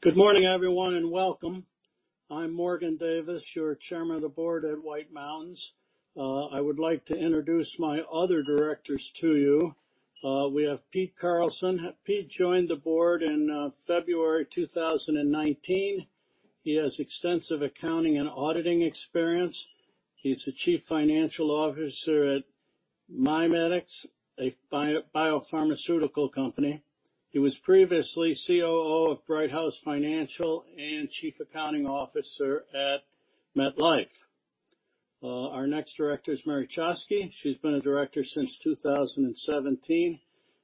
Good morning, everyone, and welcome. I'm Morgan Davis, your Chairman of the Board at White Mountains. I would like to introduce my other Directors to you. We have Peter Carlson. Peter joined the board in February 2019. He has extensive accounting and auditing experience. He's the Chief Financial Officer at MiMedx, a biopharmaceutical company. He was previously COO of Brighthouse Financial and Chief Accounting Officer at MetLife. Our next Director is Mary C. Choksi. She's been a Director since 2017.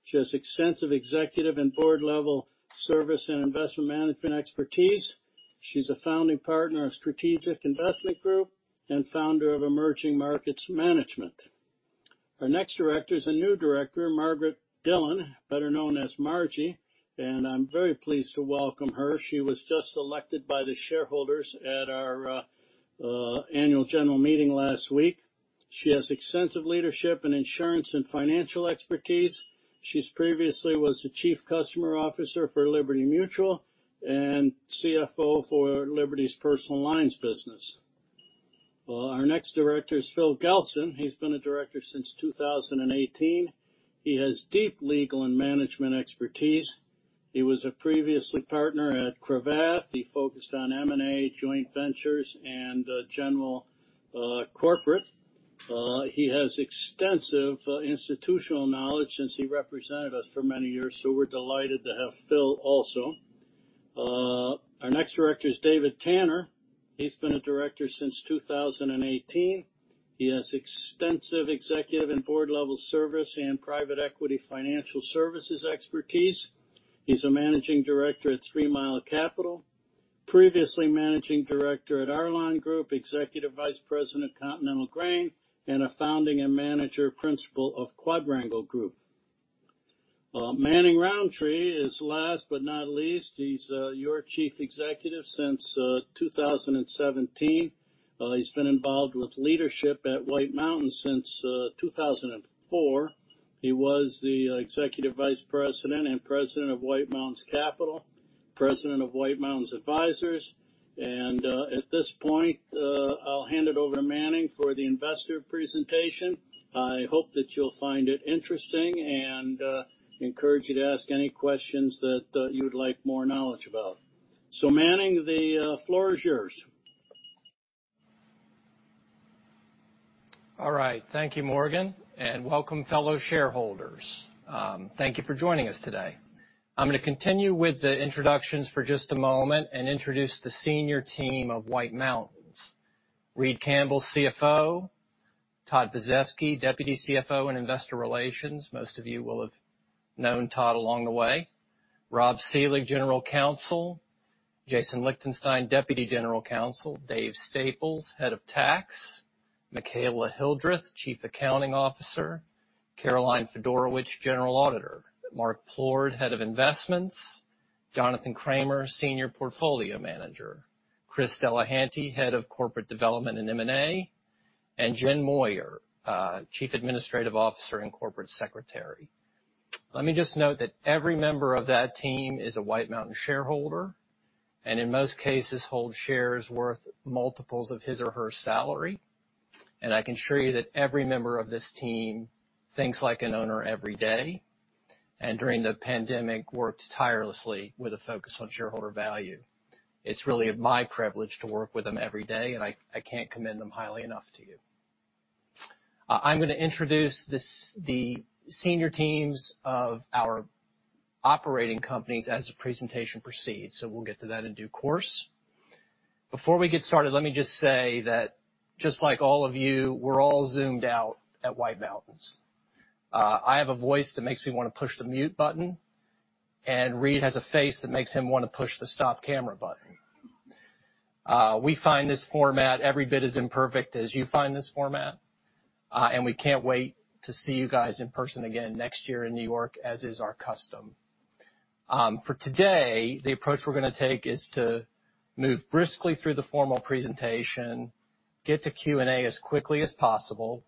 She has extensive executive and board-level service and investment management expertise. She's a Founding Partner of Strategic Investment Group and Founder of Emerging Markets Management. Our next Director is a new Director, Margaret Dillon, better known as Margie, and I'm very pleased to welcome her. She was just elected by the shareholders at our annual general meeting last week. She has extensive leadership in insurance and financial expertise. She previously was the chief customer officer for Liberty Mutual and CFO for Liberty's Personal Lines business. Our next director is Philip A. Gelston. He's been a director since 2018. He has deep legal and management expertise. He was a previously partner at Cravath. He focused on M&A, joint ventures, and general corporate. He has extensive institutional knowledge since he represented us for many years, so we're delighted to have Philip also. Our next director is David Tanner. He's been a director since 2018. He has extensive executive and board-level service and private equity financial services expertise. He's a managing director at Three Mile Capital, previously managing director at Arlon Group, Executive Vice President at Continental Grain, and a founding and managing principal of Quadrangle Group. Manning Rountree is last but not least. He's your Chief Executive since 2017. He's been involved with leadership at White Mountains since 2004. He was the Executive Vice President and President of White Mountains Capital, President of White Mountains Advisors, at this point, I'll hand it over to Manning for the investor presentation. I hope that you'll find it interesting, encourage you to ask any questions that you'd like more knowledge about. Manning, the floor is yours. All right. Thank you, Morgan, welcome, fellow shareholders. Thank you for joining us today. I'm going to continue with the introductions for just a moment and introduce the senior team of White Mountains. Reid Campbell, CFO. Todd Pozefsky, Deputy CFO and Investor Relations. Most of you will have known Todd along the way. Rob Seelig, General Counsel. Jason Lichtenstein, Deputy General Counsel. Dave Staples, Head of Tax. Michaela Hildreth, Chief Accounting Officer. Caroline Fedorowich, General Auditor. Mark Plourde, Head of Investments. Jonathan Cramer, Senior Portfolio Manager. Chris Delehanty, Head of Corporate Development and M&A, and Jenn Moyer, Chief Administrative Officer and Corporate Secretary. Let me just note that every member of that team is a White Mountains shareholder, and in most cases, holds shares worth multiples of his or her salary. I can assure you that every member of this team thinks like an owner every day, and during the pandemic, worked tirelessly with a focus on shareholder value. It's really my privilege to work with them every day, and I can't commend them highly enough to you. I'm going to introduce the senior teams of our operating companies as the presentation proceeds, so we'll get to that in due course. Before we get started, let me just say that just like all of you, we're all Zoomed out at White Mountains. I have a voice that makes me want to push the mute button, and Reid has a face that makes him want to push the stop camera button. We find this format every bit as imperfect as you find this format, and we can't wait to see you guys in person again next year in New York, as is our custom. For today, the approach we're going to take is to move briskly through the formal presentation, get to Q&A as quickly as possible.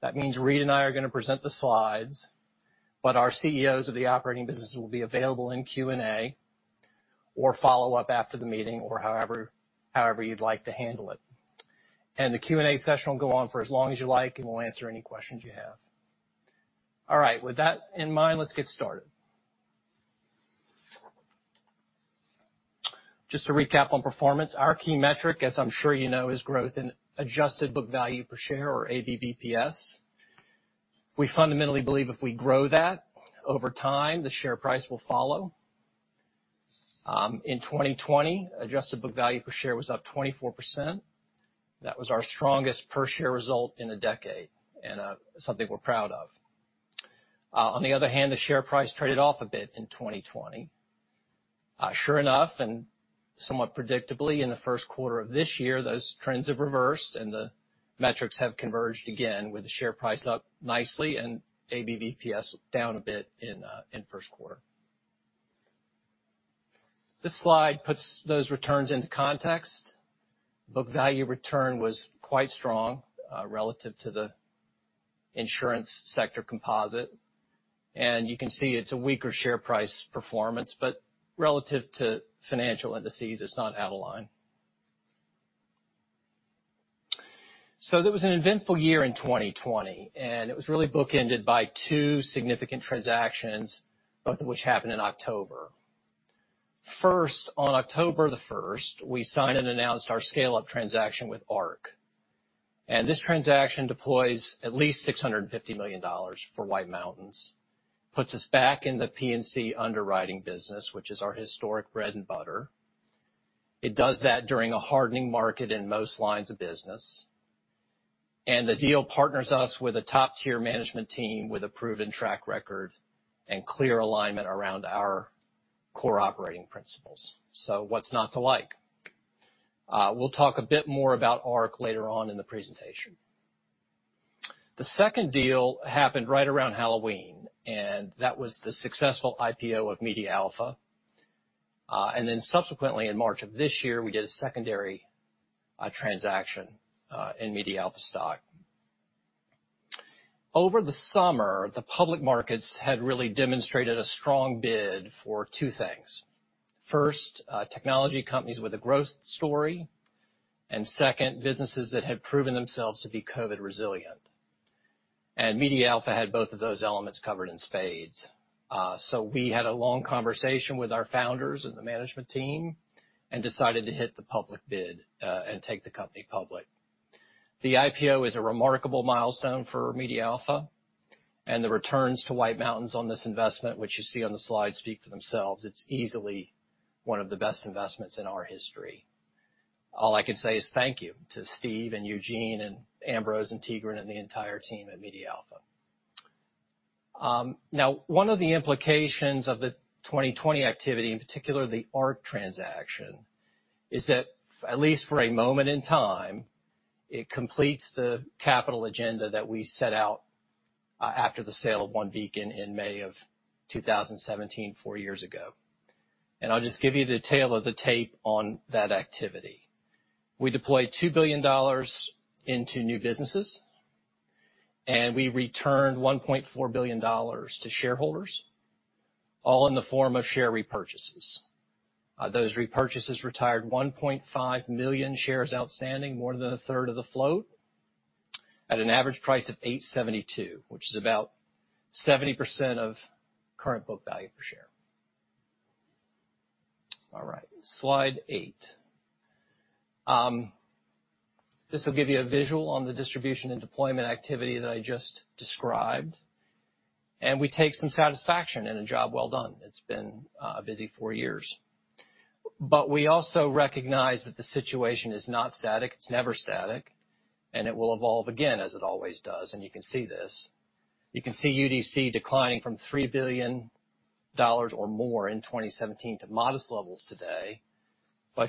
That means Reid and I are going to present the slides, but our CEOs of the operating business will be available in Q&A or follow up after the meeting or however you'd like to handle it. The Q&A session will go on for as long as you like, and we'll answer any questions you have. All right. With that in mind, let's get started. Just to recap on performance, our key metric, as I'm sure you know, is growth in adjusted book value per share or ABVPS. We fundamentally believe if we grow that over time, the share price will follow. In 2020, adjusted book value per share was up 24%. That was our strongest per share result in a decade and something we're proud of. The share price traded off a bit in 2020. In the first quarter of this year, those trends have reversed and the metrics have converged again with the share price up nicely and ABVPS down a bit in first quarter. This slide puts those returns into context. Book value return was quite strong relative to the Insurance sector composite. You can see it's a weaker share price performance, but relative to financial indices, it's not out of line. It was an eventful year in 2020, and it was really bookended by two significant transactions, both of which happened in October. First, on October the 1st, we signed and announced our scale-up transaction with Ark. This transaction deploys at least $650 million for White Mountains, puts us back in the P&C underwriting business, which is our historic bread and butter. It does that during a hardening market in most lines of business. The deal partners us with a top-tier management team with a proven track record and clear alignment around our core operating principles. What's not to like? We'll talk a bit more about Ark later on in the presentation. The second deal happened right around Halloween, and that was the successful IPO of MediaAlpha. Subsequently, in March of this year, we did a secondary transaction in MediaAlpha stock. Over the summer, the public markets had really demonstrated a strong bid for two things. First, technology companies with a growth story, second, businesses that had proven themselves to be COVID resilient. MediaAlpha had both of those elements covered in spades. We had a long conversation with our founders and the management team and decided to hit the public bid and take the company public. The IPO is a remarkable milestone for MediaAlpha, the returns to White Mountains on this investment, which you see on the slide, speak for themselves. It's easily one of the best investments in our history. All I can say is thank you to Steve, Eugene, Ambrose, Tigran, and the entire team at MediaAlpha. One of the implications of the 2020 activity, in particular the Ark transaction, is that at least for a moment in time, it completes the capital agenda that we set out after the sale of OneBeacon in May of 2017, four years ago. I'll just give you the tale of the tape on that activity. We deployed $2 billion into new businesses, and we returned $1.4 billion to shareholders, all in the form of share repurchases. Those repurchases retired 1.5 million shares outstanding, more than a third of the float, at an average price of $872, which is about 70% of current book value per share. All right. Slide 8. This will give you a visual on the distribution and deployment activity that I just described. We take some satisfaction in a job well done. It's been a busy four years. We also recognize that the situation is not static. It's never static, and it will evolve again, as it always does, and you can see this. You can see UDC declining from $3 billion or more in 2017 to modest levels today.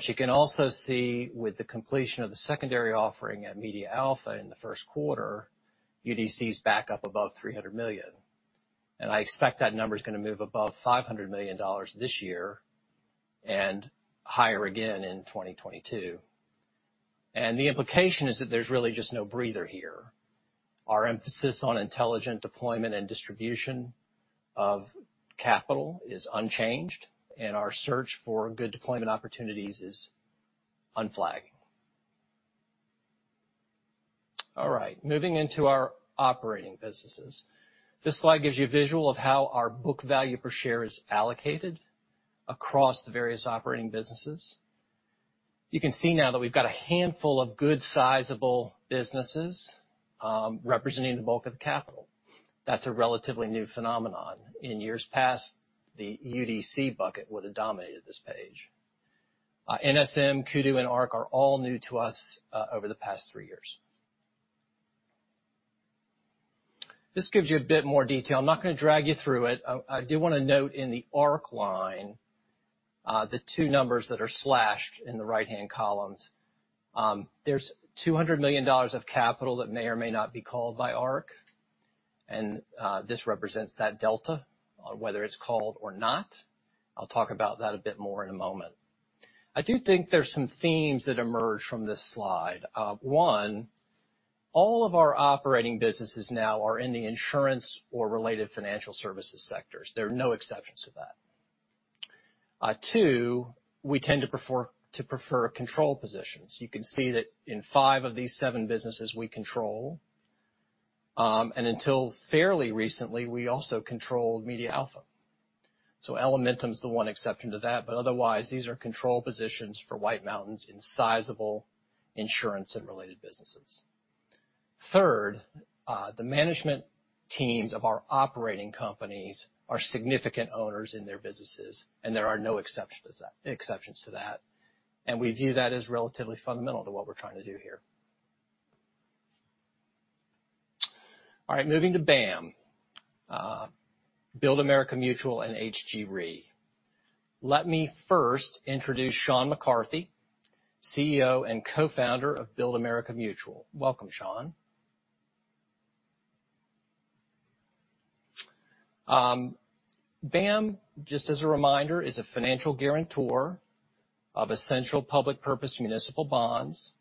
You can also see with the completion of the secondary offering at MediaAlpha in the first quarter, UDC is back up above $300 million. I expect that number is going to move above $500 million this year and higher again in 2022. The implication is that there's really just no breather here. Our emphasis on intelligent deployment and distribution of capital is unchanged, and our search for good deployment opportunities is unflagging. All right, moving into our operating businesses. This slide gives you a visual of how our book value per share is allocated across the various operating businesses. You can see now that we've got a handful of good sizable businesses representing the bulk of the capital. That's a relatively new phenomenon. In years past, the UDC bucket would have dominated this page. NSM, Kudu, and Ark are all new to us over the past three years. This gives you a bit more detail. I'm not going to drag you through it. I do want to note in the Ark line the two numbers that are slashed in the right-hand columns. There's $200 million of capital that may or may not be called by Ark, and this represents that delta, whether it's called or not. I'll talk about that a bit more in a moment. I do think there's some themes that emerge from this slide. One, all of our operating businesses now are in the insurance or related financial services sectors. There are no exceptions to that. Two, we tend to prefer control positions. You can see that in five of these seven businesses, we control. Until fairly recently, we also controlled MediaAlpha. Elementum is the one exception to that, but otherwise, these are control positions for White Mountains in sizable insurance and related businesses. Third, the management teams of our operating companies are significant owners in their businesses, and there are no exceptions to that. We view that as relatively fundamental to what we're trying to do here. All right, moving to BAM, Build America Mutual and HG Re. Let me first introduce Sean McCarthy, CEO and co-founder of Build America Mutual. Welcome, Sean. BAM, just as a reminder, is a financial guarantor of essential public purpose municipal bonds.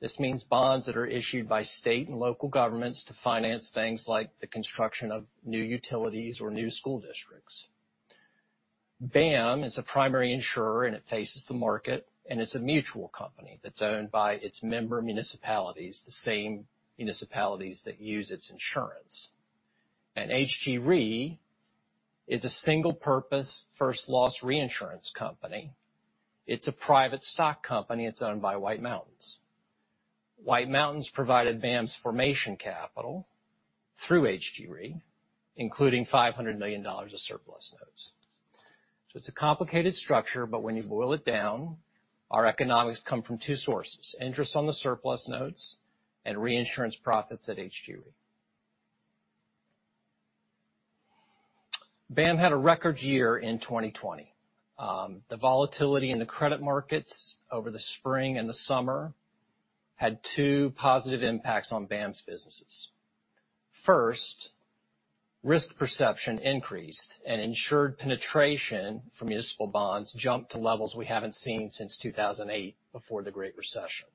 This means bonds that are issued by state and local governments to finance things like the construction of new utilities or new school districts. BAM is a primary insurer. It faces the market, and it's a mutual company that's owned by its member municipalities, the same municipalities that use its insurance. HG Re is a single-purpose first loss reinsurance company. It's a private stock company. It's owned by White Mountains. White Mountains provided BAM's formation capital through HG Re, including $500 million of surplus notes. It's a complicated structure, but when you boil it down, our economics come from two sources, interest on the surplus notes and reinsurance profits at HG Re. BAM had a record year in 2020. The volatility in the credit markets over the spring and the summer had two positive impacts on BAM's businesses. First, risk perception increased, and insured penetration for municipal bonds jumped to levels we haven't seen since 2008, before the Great Recession.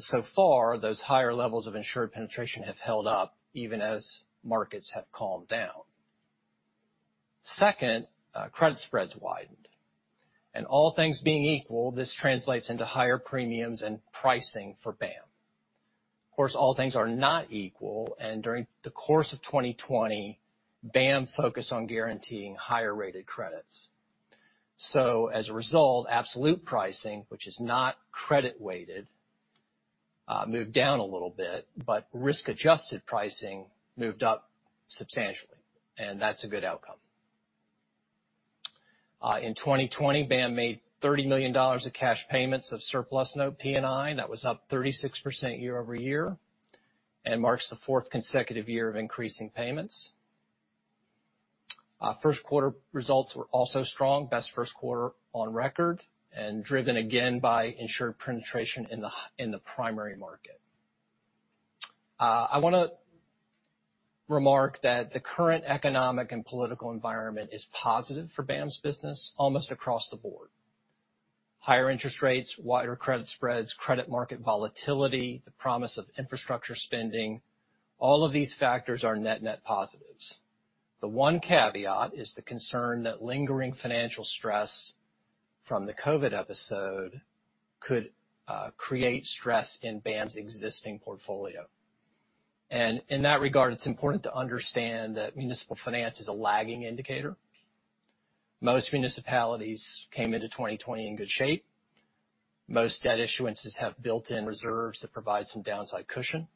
So far, those higher levels of insured penetration have held up even as markets have calmed down. Credit spreads widened, and all things being equal, this translates into higher premiums and pricing for BAM. All things are not equal, and during the course of 2020, BAM focused on guaranteeing higher rated credits. As a result, absolute pricing, which is not credit weighted, moved down a little bit, but risk-adjusted pricing moved up substantially, and that's a good outcome. In 2020, BAM made $30 million of cash payments of surplus note P&I. That was up 36% year-over-year and marks the fourth consecutive year of increasing payments. First quarter results were also strong, best first quarter on record and driven again by insured penetration in the primary market. I want to remark that the current economic and political environment is positive for BAM's business almost across the board. Higher interest rates, wider credit spreads, credit market volatility, the promise of infrastructure spending, all of these factors are net-net positives. The one caveat is the concern that lingering financial stress from the COVID episode could create stress in BAM's existing portfolio. In that regard, it's important to understand that municipal finance is a lagging indicator. Most municipalities came into 2020 in good shape. Most debt issuances have built-in reserves that provide some downside cushion,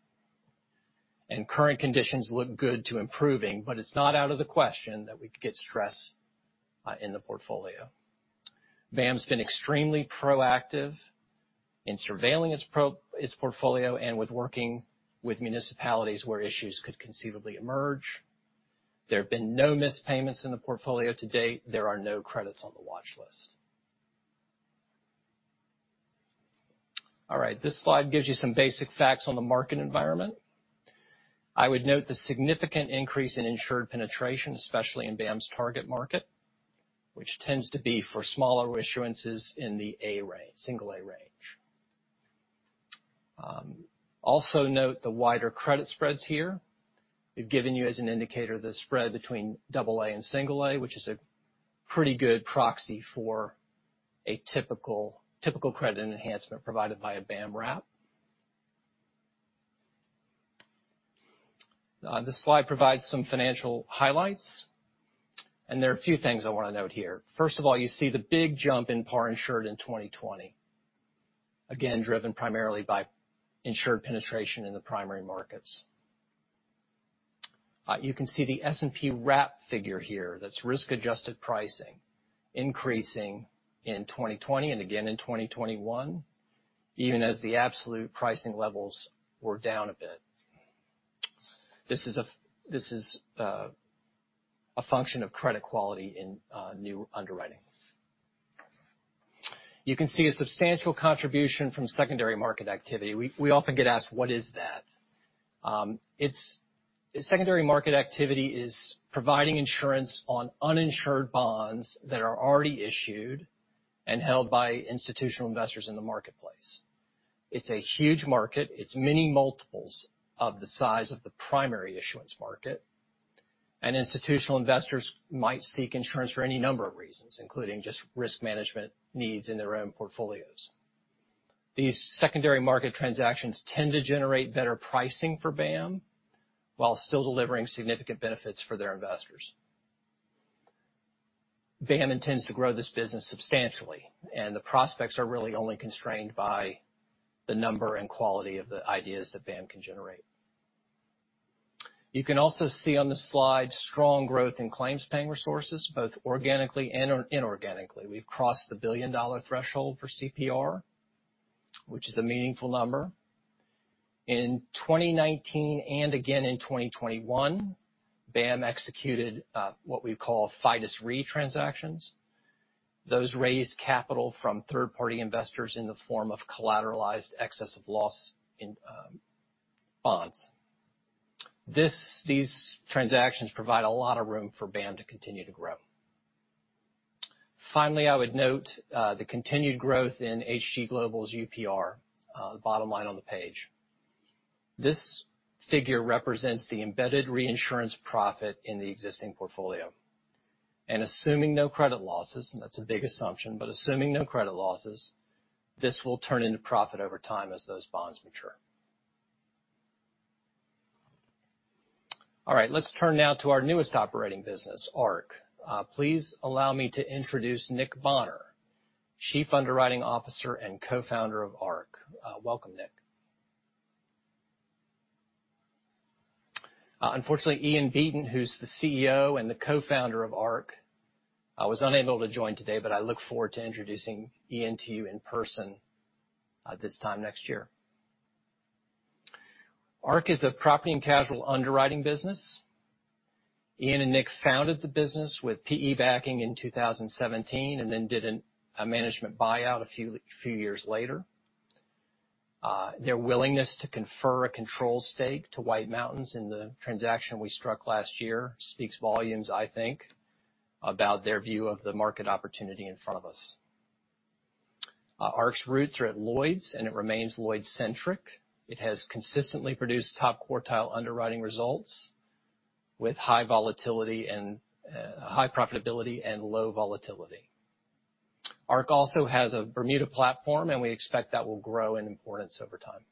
and current conditions look good to improving, but it's not out of the question that we could get stress in the portfolio. BAM's been extremely proactive in surveilling its portfolio and with working with municipalities where issues could conceivably emerge. There have been no missed payments in the portfolio to date. There are no credits on the watch list. All right, this slide gives you some basic facts on the market environment. I would note the significant increase in insured penetration, especially in BAM's target market, which tends to be for smaller issuances in the A rate, single A range. Also note the wider credit spreads here. We've given you as an indicator the spread between double A and single A, which is a pretty good proxy for a typical credit enhancement provided by a BAM wrap. This slide provides some financial highlights, and there are a few things I want to note here. First of all, you see the big jump in par insured in 2020, again, driven primarily by insured penetration in the primary markets. You can see the S&P wrap figure here. That's risk-adjusted pricing increasing in 2020 and again in 2021, even as the absolute pricing levels were down a bit. This is a function of credit quality in new underwriting. You can see a substantial contribution from secondary market activity. We often get asked, what is that? Secondary market activity is providing insurance on uninsured bonds that are already issued and held by institutional investors in the marketplace. It's a huge market. It's many multiples of the size of the primary issuance market, and institutional investors might seek insurance for any number of reasons, including just risk management needs in their own portfolios. These secondary market transactions tend to generate better pricing for BAM while still delivering significant benefits for their investors. BAM intends to grow this business substantially, and the prospects are really only constrained by the number and quality of the ideas that BAM can generate. You can also see on the slide strong growth in claims paying resources, both organically and inorganically. We've crossed the billion-dollar threshold for CPR, which is a meaningful number. In 2019 and again in 2021, BAM executed what we call Fidus Re transactions. Those raise capital from third-party investors in the form of collateralized excess loss in bonds. These transactions provide a lot of room for BAM to continue to grow. Finally, I would note the continued growth in HG Global's UPR, the bottom line on the page. This figure represents the embedded reinsurance profit in the existing portfolio, and assuming no credit losses, and that's a big assumption, but assuming no credit losses, this will turn into profit over time as those bonds mature. All right. Let's turn now to our newest operating business, Ark. Please allow me to introduce Nick Bonnar, Chief Underwriting Officer and co-founder of Ark. Welcome, Nick. Unfortunately, Ian Beaton, who is the CEO and the co-founder of Ark, was unable to join today. I look forward to introducing Ian to you in person this time next year. Ark is a property and casualty underwriting business. Ian and Nick founded the business with PE backing in 2017 and then did a management buyout a few years later. Their willingness to confer a control stake to White Mountains in the transaction we struck last year speaks volumes, I think, about their view of the market opportunity in front of us. Ark's roots are at Lloyd's, and it remains Lloyd-centric. It has consistently produced top-quartile underwriting results with high profitability and low volatility. Ark also has a Bermuda platform, and we expect that will grow in importance over time.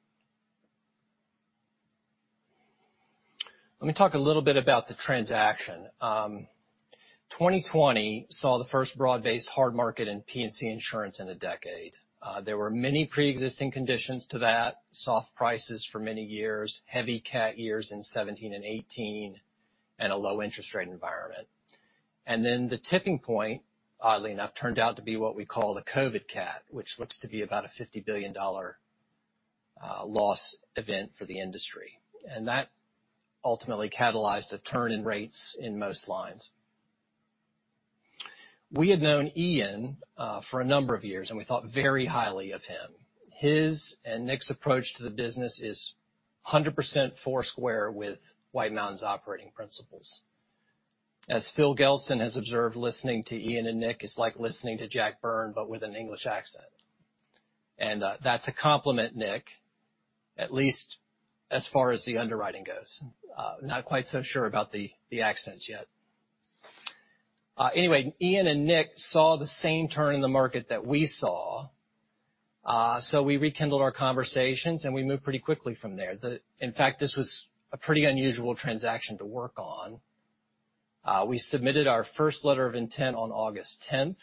Let me talk a little bit about the transaction. 2020 saw the first broad-based hard market in P&C insurance in a decade. There were many preexisting conditions to that: soft prices for many years, heavy cat years in 2017 and 2018, and a low interest rate environment. Then the tipping point, oddly enough, turned out to be what we call the COVID cat, which looks to be about a $50 billion loss event for the industry. That ultimately catalyzed a turn in rates in most lines. We had known Ian for a number of years, and we thought very highly of him. His and Nick's approach to the business is 100% four-square with White Mountains' operating principles. As Philip A. Gelston has observed, listening to Ian and Nick is like listening to Jack Byrne, but with an English accent. That's a compliment, Nick, at least as far as the underwriting goes. Not quite so sure about the accents yet. Ian and Nick saw the same turn in the market that we saw. We rekindled our conversations, and we moved pretty quickly from there. In fact, this was a pretty unusual transaction to work on. We submitted our first letter of intent on August 10th.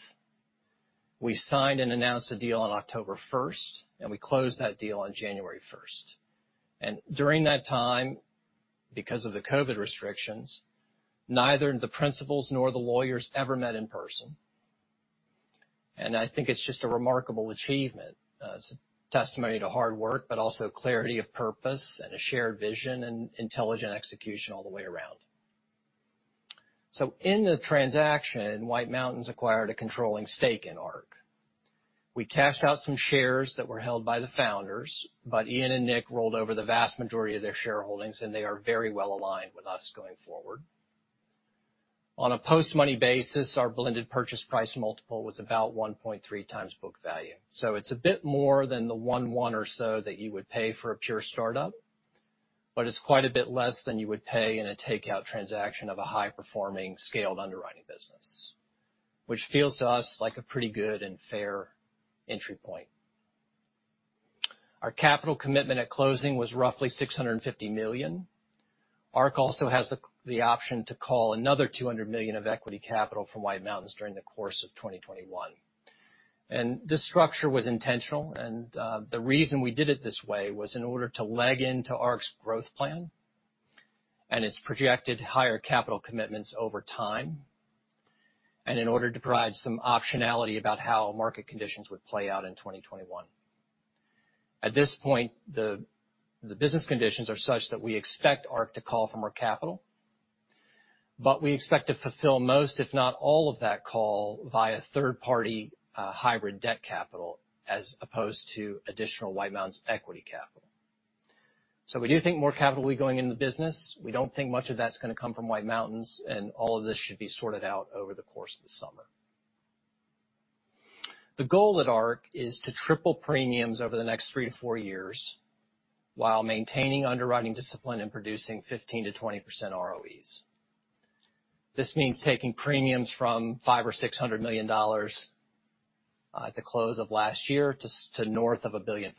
We signed and announced the deal on October 1st, and we closed that deal on January 1st. During that time, because of the COVID restrictions, neither the principals nor the lawyers ever met in person. I think it's just a remarkable achievement. It's a testimony to hard work, but also clarity of purpose and a shared vision and intelligent execution all the way around. In the transaction, White Mountains acquired a controlling stake in Ark. We cashed out some shares that were held by the founders, Ian and Nick rolled over the vast majority of their shareholdings, and they are very well aligned with us going forward. On a post-money basis, our blended purchase price multiple was about 1.3x book value. It's a bit more than the 1.1 or so that you would pay for a pure startup, but it's quite a bit less than you would pay in a takeout transaction of a high-performing, scaled underwriting business, which feels to us like a pretty good and fair entry point. Our capital commitment at closing was roughly $650 million. Ark also has the option to call another $200 million of equity capital from White Mountains during the course of 2021. This structure was intentional, and the reason we did it this way was in order to leg into Ark's growth plan and its projected higher capital commitments over time, and in order to provide some optionality about how market conditions would play out in 2021. At this point, the business conditions are such that we expect Ark to call from our capital, but we expect to fulfill most, if not all of that call via third-party hybrid debt capital as opposed to additional White Mountains equity capital. We do think more capital will be going into the business. We don't think much of that's going to come from White Mountains, all of this should be sorted out over the course of the summer. The goal at Ark is to triple premiums over the next three-four years while maintaining underwriting discipline and producing 15%-20% ROEs. This means taking premiums from $500 million or $600 million at the close of last year to north of $1.5 billion.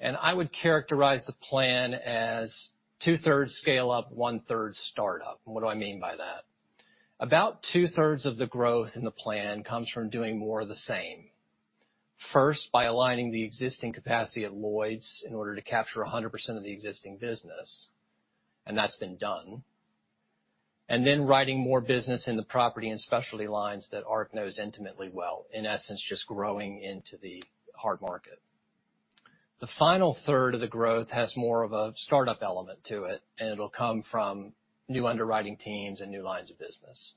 I would characterize the plan as two-thirds scale up, one-third startup. What do I mean by that? About two-thirds of the growth in the plan comes from doing more of the same. First, by aligning the existing capacity at Lloyd's in order to capture 100% of the existing business, and that's been done. Writing more business in the property and specialty lines that Ark knows intimately well, in essence, just growing into the hard market. The final third of the growth has more of a startup element to it, and it'll come from new underwriting teams and new lines of business.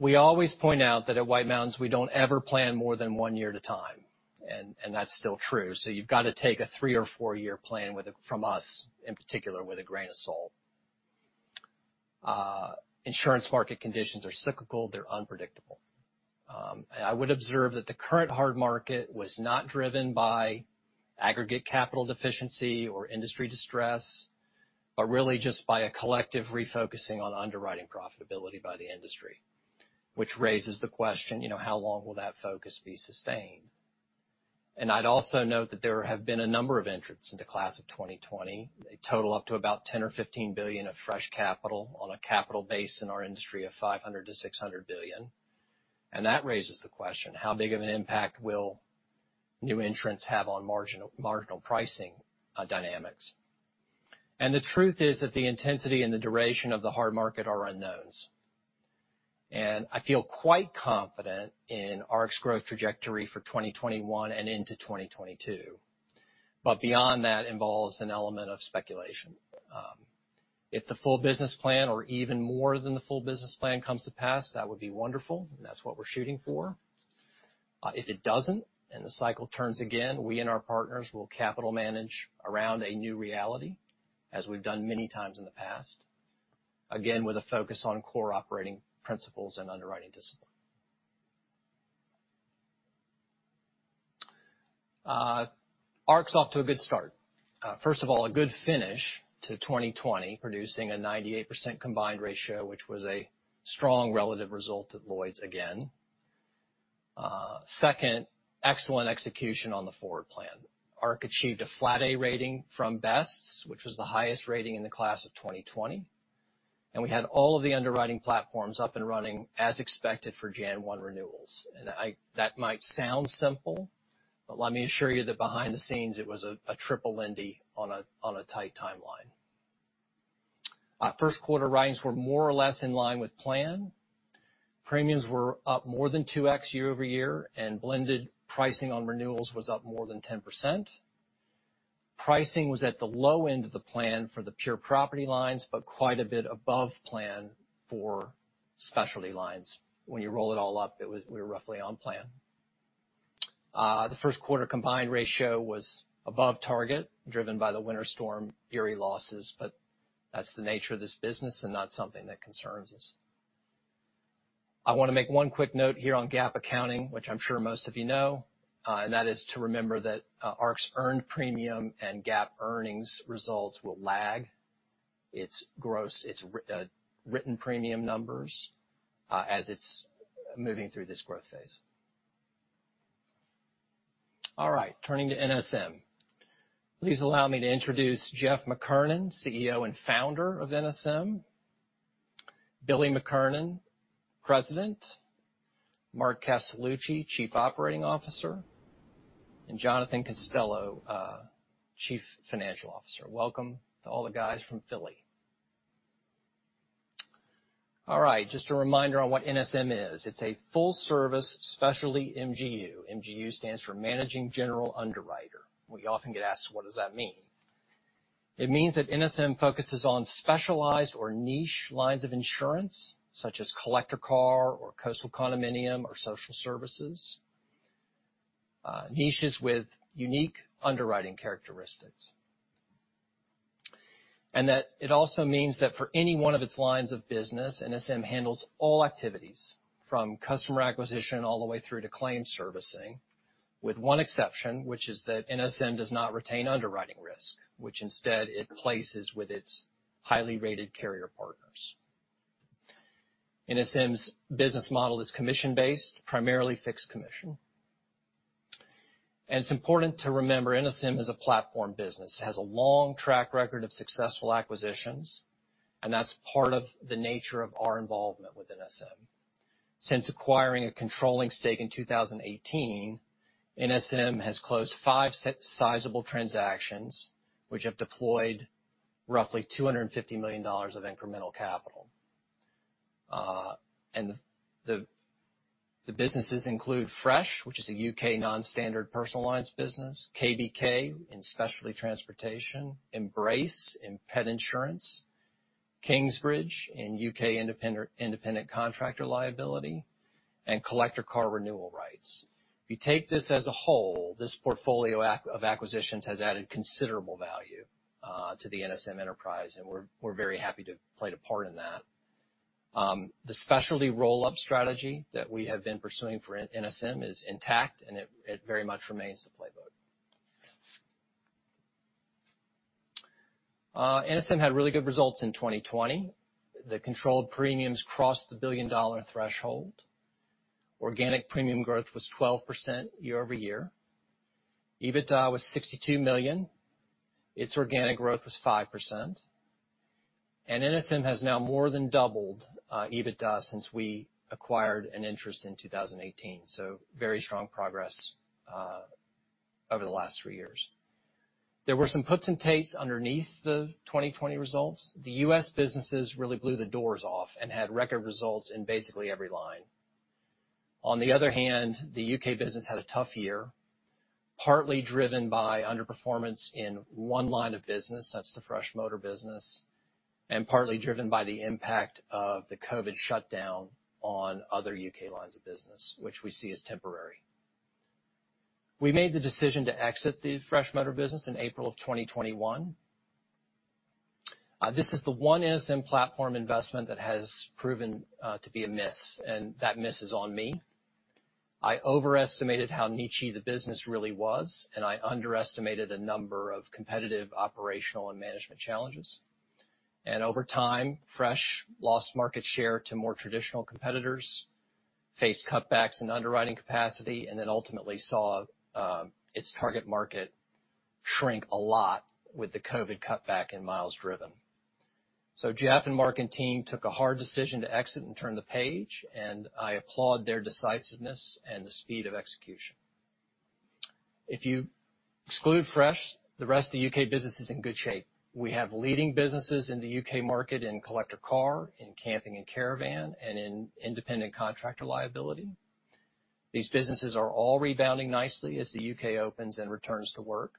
We always point out that at White Mountains, we don't ever plan more than one year at a time, and that's still true. You've got to take a three or four-year plan from us, in particular, with a grain of salt. Insurance market conditions are cyclical. They're unpredictable. I would observe that the current hard market was not driven by aggregate capital deficiency or industry distress, but really just by a collective refocusing on underwriting profitability by the industry. Which raises the question, how long will that focus be sustained? I'd also note that there have been a number of entrants in the class of 2020. They total up to about $10 billion or $15 billion of fresh capital on a capital base in our industry of $500 billion-$600 billion. That raises the question, how big of an impact will new entrants have on marginal pricing dynamics? The truth is that the intensity and the duration of the hard market are unknowns. I feel quite confident in Ark's growth trajectory for 2021 and into 2022. Beyond that involves an element of speculation. If the full business plan or even more than the full business plan comes to pass, that would be wonderful, and that's what we're shooting for. If it doesn't, and the cycle turns again, we and our partners will capital manage around a new reality, as we've done many times in the past, again, with a focus on core operating principles and underwriting discipline. Ark's off to a good start. First of all, a good finish to 2020, producing a 98% combined ratio, which was a strong relative result at Lloyd's again. Second, excellent execution on the forward plan. Ark achieved a flat A rating from Best's, which was the highest rating in the class of 2020. We had all of the underwriting platforms up and running as expected for Jan 1 renewals. That might sound simple, but let me assure you that behind the scenes it was a Triple Lindy on a tight timeline. First quarter writings were more or less in line with plan. Premiums were up more than 2x year-over-year, and blended pricing on renewals was up more than 10%. Pricing was at the low end of the plan for the pure property lines, but quite a bit above plan for specialty lines. When you roll it all up, we were roughly on plan. The first quarter combined ratio was above target, driven by the Winter Storm Uri losses, but that's the nature of this business and not something that concerns us. I want to make one quick note here on GAAP accounting, which I'm sure most of you know, and that is to remember that Ark's earned premium and GAAP earnings results will lag its written premium numbers as it's moving through this growth phase. All right, turning to NSM. Please allow me to introduce Geof McKernan, CEO and founder of NSM. Bill McKernan, President. Marc Castellucci, Chief Operating Officer, and Jonathan Costello, Chief Financial Officer. Welcome to all the guys from Philly. All right. Just a reminder on what NSM is. It's a full-service specialty MGU. MGU stands for Managing General Underwriter. We often get asked, what does that mean? It means that NSM focuses on specialized or niche lines of insurance, such as collector car or coastal condominium or social services. Niches with unique underwriting characteristics. That it also means that for any one of its lines of business, NSM handles all activities, from customer acquisition all the way through to claim servicing, with one exception, which is that NSM does not retain underwriting risk, which instead it places with its highly rated carrier partners. NSM's business model is commission-based, primarily fixed commission. It's important to remember, NSM is a platform business. It has a long track record of successful acquisitions, that's part of the nature of our involvement with NSM. Since acquiring a controlling stake in 2018, NSM has closed five sizable transactions, which have deployed roughly $250 million of incremental capital. The businesses include Fresh, which is a U.K. non-standard personal lines business, KBK in specialty transportation, Embrace Pet Insurance in pet insurance, Kingsbridge Contractor Insurance in U.K. independent contractor liability, and collector car renewal rights. If you take this as a whole, this portfolio of acquisitions has added considerable value to the NSM Insurance Group enterprise, and we are very happy to have played a part in that. The specialty roll-up strategy that we have been pursuing for NSM Insurance Group is intact, and it very much remains the playbook. NSM Insurance Group had really good results in 2020. The controlled premiums crossed the $1 billion threshold. Organic premium growth was 12% year-over-year. EBITDA was $62 million. Its organic growth was 5%. NSM Insurance Group has now more than doubled EBITDA since we acquired an interest in 2018. Very strong progress over the last three years. There were some puts and takes underneath the 2020 results. The U.S. businesses really blew the doors off and had record results in basically every line. The U.K. business had a tough year, partly driven by underperformance in one line of business, that's the Fresh motor business, and partly driven by the impact of the COVID shutdown on other U.K. lines of business, which we see as temporary. We made the decision to exit the Fresh motor business in April of 2021. This is the one NSM platform investment that has proven to be a miss, and that miss is on me. I overestimated how niche the business really was, and I underestimated a number of competitive operational and management challenges. Over time, Fresh lost market share to more traditional competitors, faced cutbacks in underwriting capacity, and then ultimately saw its target market shrink a lot with the COVID cutback in miles driven. Geof and Marc and team took a hard decision to exit and turn the page, and I applaud their decisiveness and the speed of execution. If you exclude Fresh, the rest of the U.K. business is in good shape. We have leading businesses in the U.K. market in collector car, in camping and caravan, and in independent contractor liability. These businesses are all rebounding nicely as the U.K. opens and returns to work.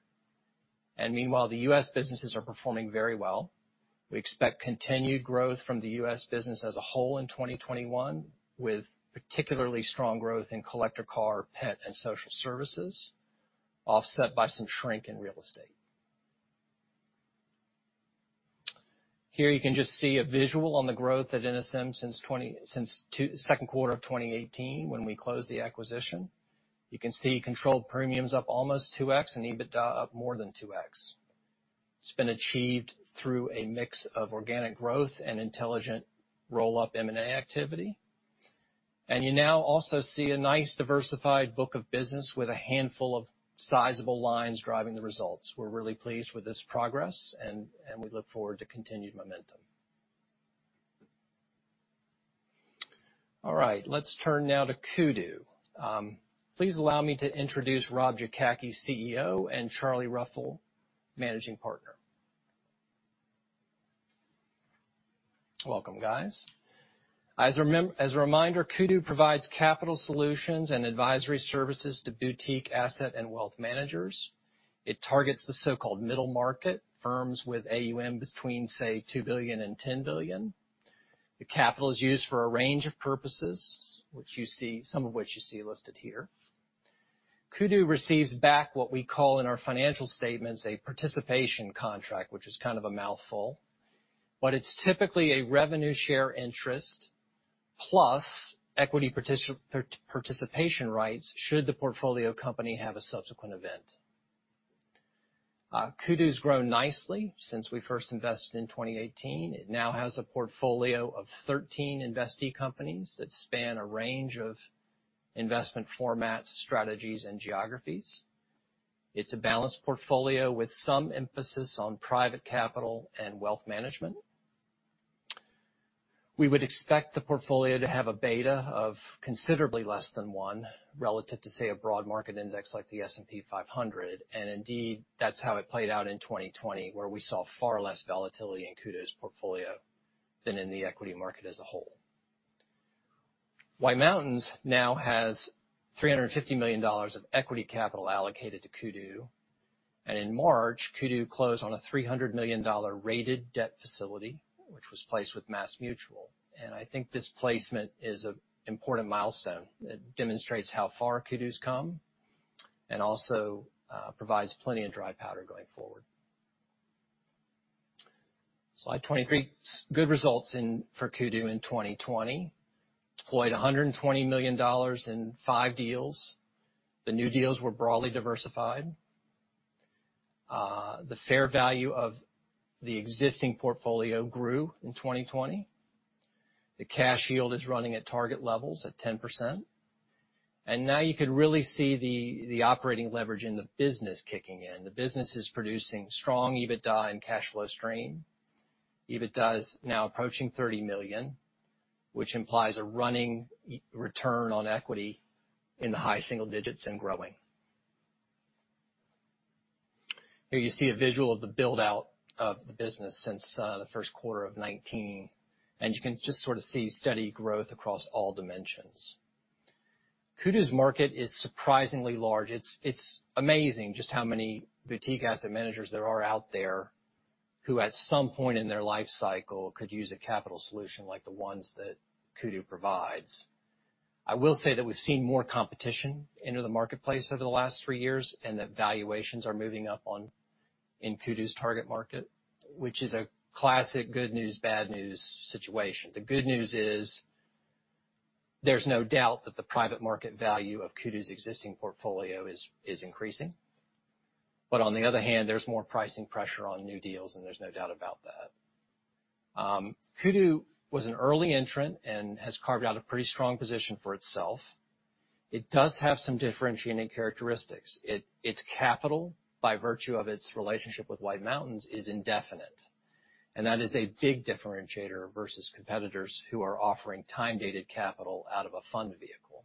Meanwhile, the U.S. businesses are performing very well. We expect continued growth from the U.S. business as a whole in 2021, with particularly strong growth in collector car, pet, and social services, offset by some shrink in real estate. Here you can just see a visual on the growth of NSM since second quarter of 2018 when we closed the acquisition. You can see controlled premiums up almost 2x and EBITDA up more than 2x. It's been achieved through a mix of organic growth and intelligent roll-up M&A activity. You now also see a nice diversified book of business with a handful of sizable lines driving the results. We're really pleased with this progress, and we look forward to continued momentum. All right. Let's turn now to Kudu. Please allow me to introduce Rob Jakacki, CEO, and Charlie Ruffel, Managing Partner. Welcome, guys. As a reminder, Kudu provides capital solutions and advisory services to boutique asset and wealth managers. It targets the so-called middle market, firms with AUM between, say, $2 billion and $10 billion. The capital is used for a range of purposes, some of which you see listed here. Kudu receives back what we call in our financial statements a participation contract, which is kind of a mouthful. It's typically a revenue share interest plus equity participation rights should the portfolio company have a subsequent event. Kudu's grown nicely since we first invested in 2018. It now has a portfolio of 13 investee companies that span a range of investment formats, strategies, and geographies. It's a balanced portfolio with some emphasis on private capital and wealth management. We would expect the portfolio to have a beta of considerably less than one relative to, say, a broad market index like the S&P 500. Indeed, that's how it played out in 2020, where we saw far less volatility in Kudu's portfolio than in the equity market as a whole. White Mountains now has $350 million of equity capital allocated to Kudu, and in March, Kudu closed on a $300 million rated debt facility, which was placed with MassMutual. I think this placement is an important milestone that demonstrates how far Kudu's come and also provides plenty of dry powder going forward. Slide 23, good results for Kudu in 2020. Deployed $120 million in five deals. The new deals were broadly diversified. The fair value of the existing portfolio grew in 2020. The cash yield is running at target levels at 10%. Now you can really see the operating leverage in the business kicking in. The business is producing strong EBITDA and cash flow stream. EBITDA is now approaching $30 million, which implies a running return on equity in the high single digits and growing. Here you see a visual of the build-out of the business since the first quarter of 2019, and you can just sort of see steady growth across all dimensions. Kudu's market is surprisingly large. It's amazing just how many boutique asset managers there are out there who at some point in their life cycle could use a capital solution like the ones that Kudu provides. I will say that we've seen more competition enter the marketplace over the last three years and that valuations are moving up in Kudu's target market, which is a classic good news, bad news situation. The good news is there's no doubt that the private market value of Kudu's existing portfolio is increasing. On the other hand, there's more pricing pressure on new deals, and there's no doubt about that. Kudu was an early entrant and has carved out a pretty strong position for itself. It does have some differentiating characteristics. Its capital, by virtue of its relationship with White Mountains, is indefinite, and that is a big differentiator versus competitors who are offering time-dated capital out of a fund vehicle.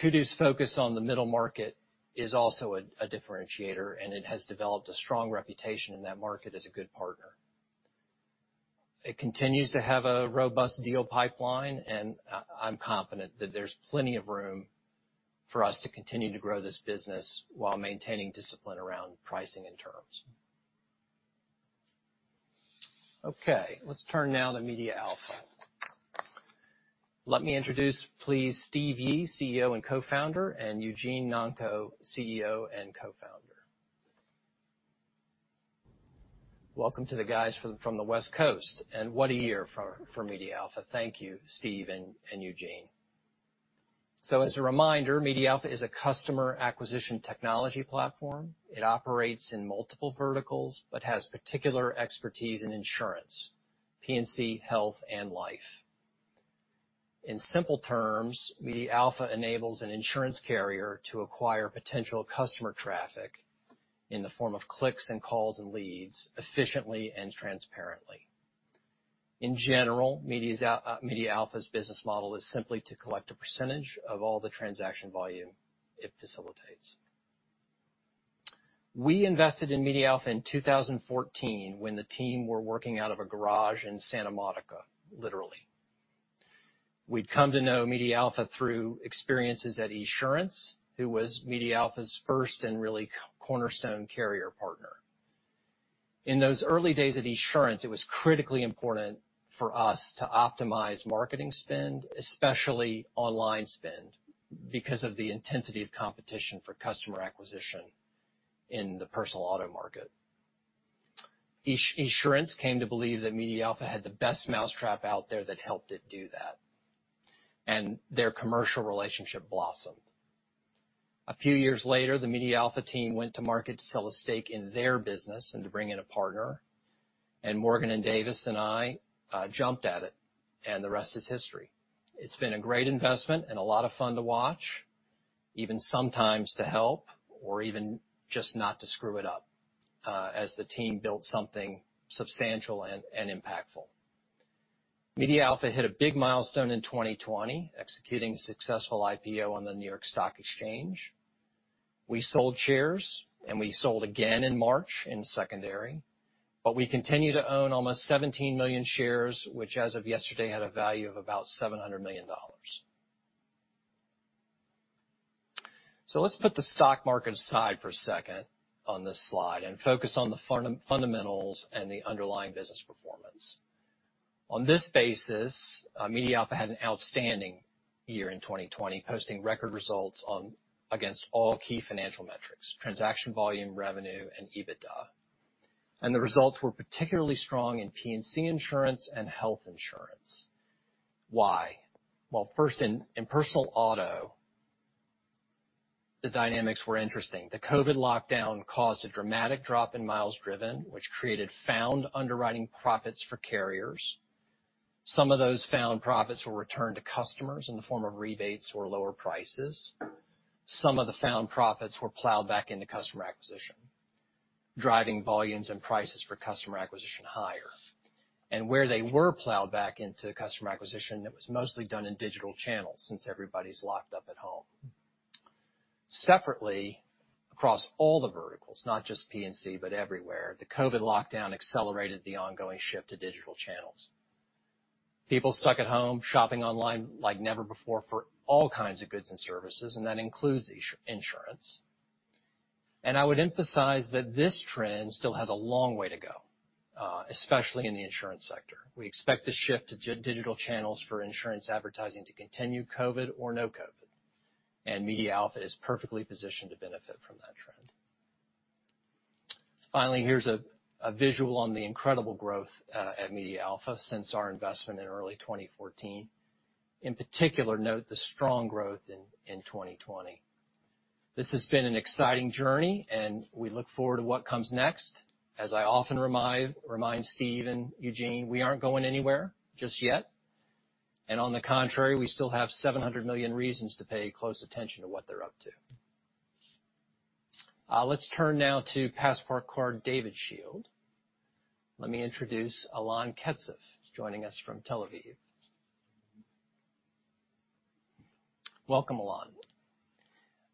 Kudu's focus on the middle market is also a differentiator, and it has developed a strong reputation in that market as a good partner. It continues to have a robust deal pipeline, and I'm confident that there's plenty of room for us to continue to grow this business while maintaining discipline around pricing and terms. Let's turn now to MediaAlpha. Let me introduce please, Steve Yi, CEO and Co-Founder, and Eugene Nonko, CEO and Co-Founder. Welcome to the guys from the West Coast, and what a year for MediaAlpha. Thank you, Steve and Eugene. As a reminder, MediaAlpha is a customer acquisition technology platform. It operates in multiple verticals but has particular expertise in insurance, P&C, health, and life. In simple terms, MediaAlpha enables an insurance carrier to acquire potential customer traffic in the form of clicks and calls and leads efficiently and transparently. In general, MediaAlpha's business model is simply to collect a percentage of all the transaction volume it facilitates. We invested in MediaAlpha in 2014 when the team were working out of a garage in Santa Monica, literally. We'd come to know MediaAlpha through experiences at Esurance, who was MediaAlpha's first and really cornerstone carrier partner. In those early days at Esurance, it was critically important for us to optimize marketing spend, especially online spend, because of the intensity of competition for customer acquisition in the personal auto market. Esurance came to believe that MediaAlpha had the best mousetrap out there that helped it do that, their commercial relationship blossomed. A few years later, the MediaAlpha team went to market to sell a stake in their business and to bring in a partner. Morgan and Davis and I jumped at it, and the rest is history. It's been a great investment and a lot of fun to watch, even sometimes to help or even just not to screw it up, as the team built something substantial and impactful. MediaAlpha hit a big milestone in 2020, executing a successful IPO on the New York Stock Exchange. We sold shares. We sold again in March in secondary. We continue to own almost 17 million shares, which, as of yesterday, had a value of about $700 million. Let's put the stock market aside for a second on this slide and focus on the fundamentals and the underlying business performance. On this basis, MediaAlpha had an outstanding year in 2020, posting record results against all key financial metrics, transaction volume, revenue, and EBITDA. The results were particularly strong in P&C insurance and health insurance. Why? Well, first, in personal auto, the dynamics were interesting. The COVID lockdown caused a dramatic drop in miles driven, which created found underwriting profits for carriers. Some of those found profits were returned to customers in the form of rebates or lower prices. Some of the found profits were plowed back into customer acquisition, driving volumes and prices for customer acquisition higher. Where they were plowed back into customer acquisition, that was mostly done in digital channels, since everybody's locked up at home. Separately, across all the verticals, not just P&C, but everywhere, the COVID lockdown accelerated the ongoing shift to digital channels. People stuck at home, shopping online like never before for all kinds of goods and services, and that includes insurance. I would emphasize that this trend still has a long way to go, especially in the insurance sector. We expect the shift to digital channels for insurance advertising to continue, COVID or no COVID, and MediaAlpha is perfectly positioned to benefit from that trend. Finally, here's a visual on the incredible growth at MediaAlpha since our investment in early 2014. In particular, note the strong growth in 2020. This has been an exciting journey, and we look forward to what comes next. As I often remind Steve Yi and Eugene Nonko, we aren't going anywhere just yet. On the contrary, we still have 700 million reasons to pay close attention to what they're up to. Let's turn now to PassportCard/DavidShield. Let me introduce Alon Ketzef, joining us from Tel Aviv. Welcome, Alon.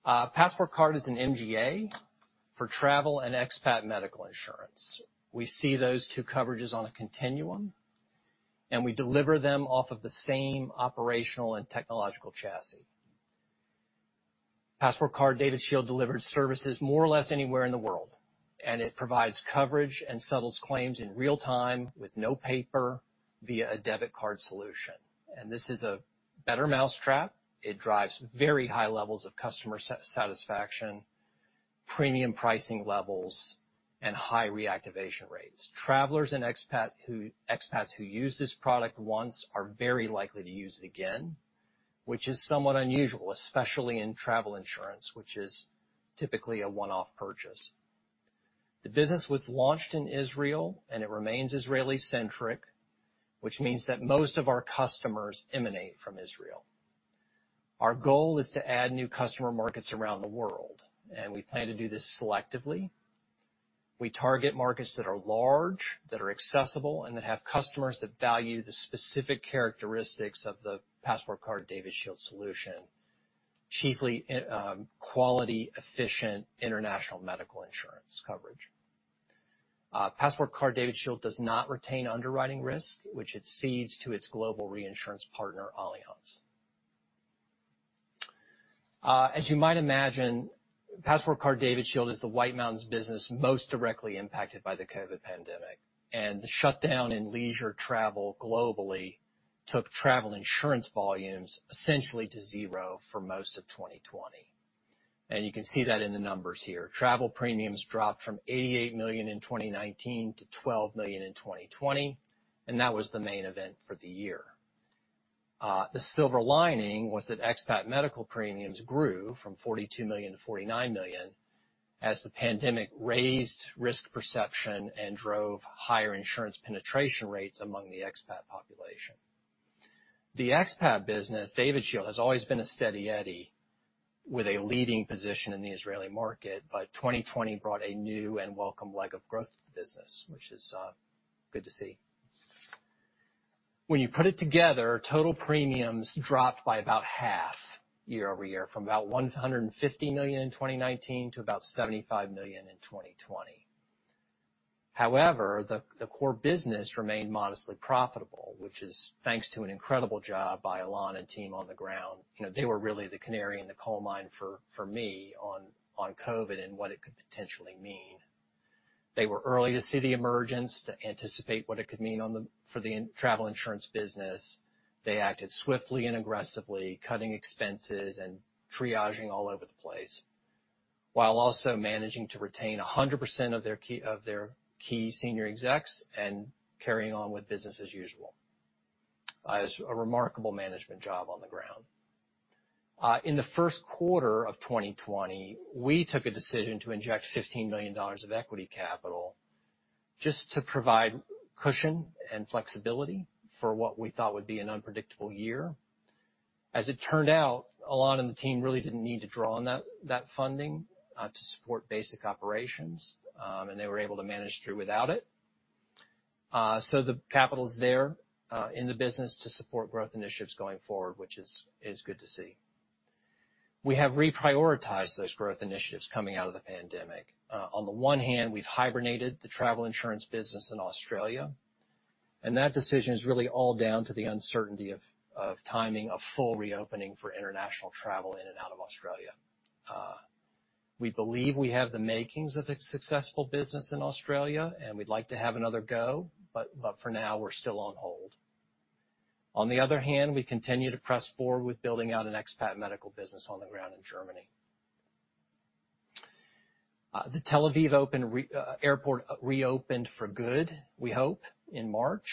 PassportCard is an MGA for travel and expat medical insurance. We see those two coverages on a continuum, and we deliver them off of the same operational and technological chassis. PassportCard/DavidShield delivers services more or less anywhere in the world, and it provides coverage and settles claims in real time with no paper via a debit card solution. This is a better mousetrap. It drives very high levels of customer satisfaction, premium pricing levels, and high reactivation rates. Travelers and expats who use this product once are very likely to use it again, which is somewhat unusual, especially in travel insurance, which is typically a one-off purchase. The business was launched in Israel, and it remains Israeli-centric, which means that most of our customers emanate from Israel. Our goal is to add new customer markets around the world, and we plan to do this selectively. We target markets that are large, that are accessible, and that have customers that value the specific characteristics of the PassportCard DavidShield solution, chiefly quality, efficient international medical insurance coverage. PassportCard DavidShield does not retain underwriting risk, which it cedes to its global reinsurance partner, Allianz. As you might imagine, PassportCard DavidShield is the White Mountains business most directly impacted by the COVID pandemic, and the shutdown in leisure travel globally took travel insurance volumes essentially to zero for most of 2020. You can see that in the numbers here. Travel premiums dropped from $88 million in 2019 to $12 million in 2020, and that was the main event for the year. The silver lining was that expat medical premiums grew from $42 million to $49 million as the pandemic raised risk perception and drove higher insurance penetration rates among the expat population. The expat business, DavidShield, has always been a steady Eddie with a leading position in the Israeli market, but 2020 brought a new and welcome leg of growth to the business, which is good to see. When you put it together, total premiums dropped by about half year-over-year, from about $150 million in 2019 to about $75 million in 2020. However, the core business remained modestly profitable, which is thanks to an incredible job by Alon and team on the ground. They were really the canary in the coal mine for me on COVID and what it could potentially mean. They were early to see the emergence, to anticipate what it could mean for the travel insurance business. They acted swiftly and aggressively, cutting expenses and triaging all over the place, while also managing to retain 100% of their key senior execs and carrying on with business as usual. It was a remarkable management job on the ground. In the first quarter of 2020, we took a decision to inject $15 million of equity capital just to provide cushion and flexibility for what we thought would be an unpredictable year. As it turned out, Alon and the team really didn't need to draw on that funding to support basic operations, and they were able to manage through without it. The capital's there in the business to support growth initiatives going forward, which is good to see. We have reprioritized those growth initiatives coming out of the pandemic. On the one hand, we've hibernated the travel insurance business in Australia, and that decision is really all down to the uncertainty of timing a full reopening for international travel in and out of Australia. We believe we have the makings of a successful business in Australia, and we'd like to have another go. For now, we're still on hold. On the other hand, we continue to press forward with building out an expat medical business on the ground in Germany. The Tel Aviv airport reopened for good, we hope, in March,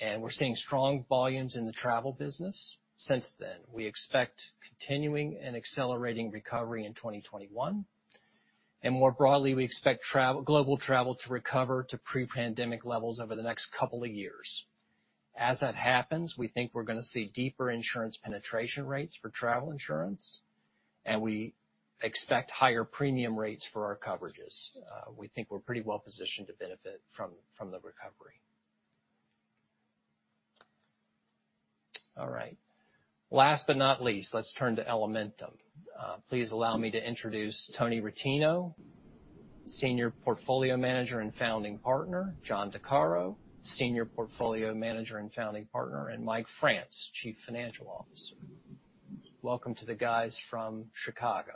and we're seeing strong volumes in the travel business since then. We expect continuing and accelerating recovery in 2021, and more broadly, we expect global travel to recover to pre-pandemic levels over the next couple of years. As that happens, we think we're going to see deeper insurance penetration rates for travel insurance, and we expect higher premium rates for our coverages. We think we're pretty well positioned to benefit from the recovery. All right. Last but not least, let's turn to Elementum. Please allow me to introduce Tony Rettino, Senior Portfolio Manager and Founding Partner, John DeCaro, Senior Portfolio Manager and Founding Partner, and Mike France, Chief Financial Officer. Welcome to the guys from Chicago.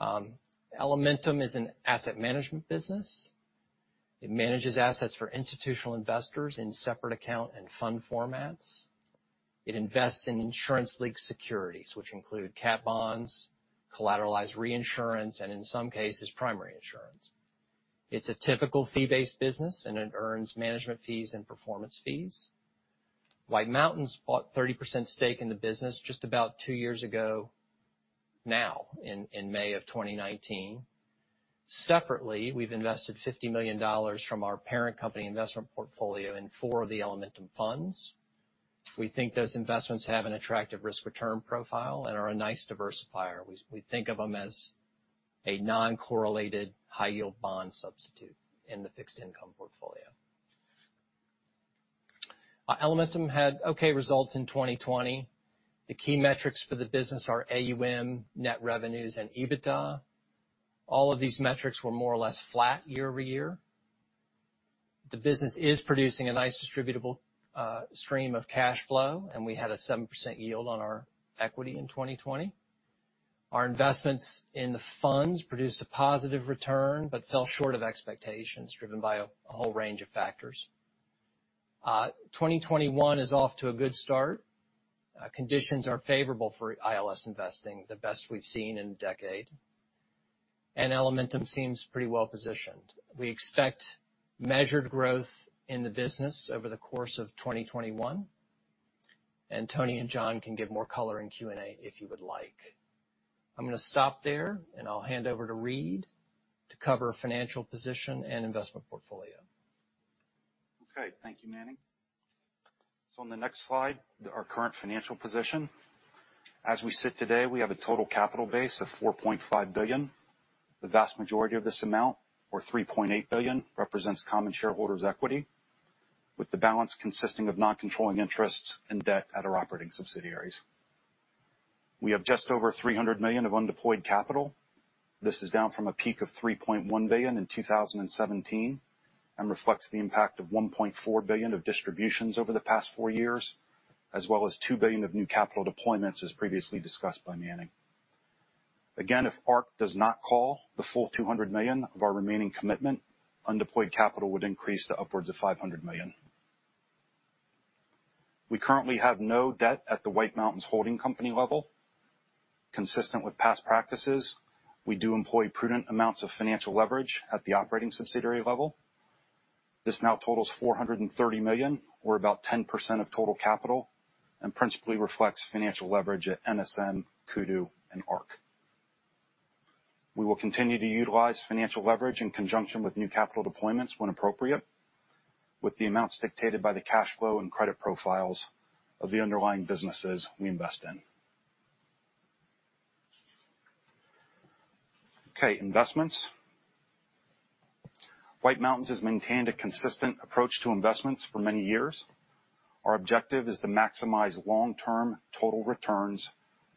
Elementum is an asset management business. It manages assets for institutional investors in separate account and fund formats. It invests in insurance-linked securities, which include cat bonds, collateralized reinsurance, and in some cases, primary insurance. It's a typical fee-based business, and it earns management fees and performance fees. White Mountains bought 30% stake in the business just about two years ago now, in May of 2019. Separately, we've invested $50 million from our parent company investment portfolio in four of the Elementum funds. We think those investments have an attractive risk return profile and are a nice diversifier. We think of them as a non-correlated high-yield bond substitute in the fixed income portfolio. Elementum had okay results in 2020. The key metrics for the business are AUM, net revenues, and EBITDA. All of these metrics were more or less flat year-over-year. The business is producing a nice distributable stream of cash flow, and we had a 7% yield on our equity in 2020. Our investments in the funds produced a positive return but fell short of expectations, driven by a whole range of factors. 2021 is off to a good start. Conditions are favorable for ILS investing, the best we've seen in a decade, and Elementum seems pretty well-positioned. We expect measured growth in the business over the course of 2021, and Tony and John can give more color in Q&A if you would like. I'm going to stop there, and I'll hand over to Reid to cover financial position and investment portfolio. Okay. Thank you, Manning. On the next slide, our current financial position. As we sit today, we have a total capital base of $4.5 billion. The vast majority of this amount, or $3.8 billion, represents common shareholders' equity, with the balance consisting of non-controlling interests and debt at our operating subsidiaries. We have just over $300 million of undeployed capital. This is down from a peak of $3.1 billion in 2017 and reflects the impact of $1.4 billion of distributions over the past four years as well as $2 billion of new capital deployments, as previously discussed by Manning. Again, if Ark does not call the full $200 million of our remaining commitment, undeployed capital would increase to upwards of $500 million. We currently have no debt at the White Mountains holding company level. Consistent with past practices, we do employ prudent amounts of financial leverage at the operating subsidiary level. This now totals $430 million, or about 10% of total capital, and principally reflects financial leverage at NSM, Kudu, and Ark. We will continue to utilize financial leverage in conjunction with new capital deployments when appropriate, with the amounts dictated by the cash flow and credit profiles of the underlying businesses we invest in. Okay, investments. White Mountains has maintained a consistent approach to investments for many years. Our objective is to maximize long-term total returns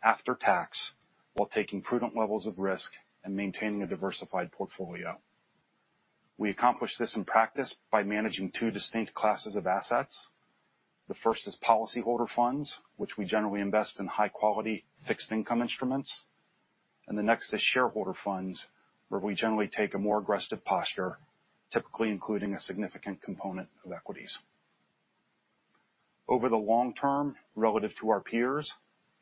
after tax while taking prudent levels of risk and maintaining a diversified portfolio. We accomplish this in practice by managing two distinct classes of assets. The first is policyholder funds, which we generally invest in high-quality fixed income instruments, and the next is shareholder funds, where we generally take a more aggressive posture, typically including a significant component of equities. Over the long term, relative to our peers,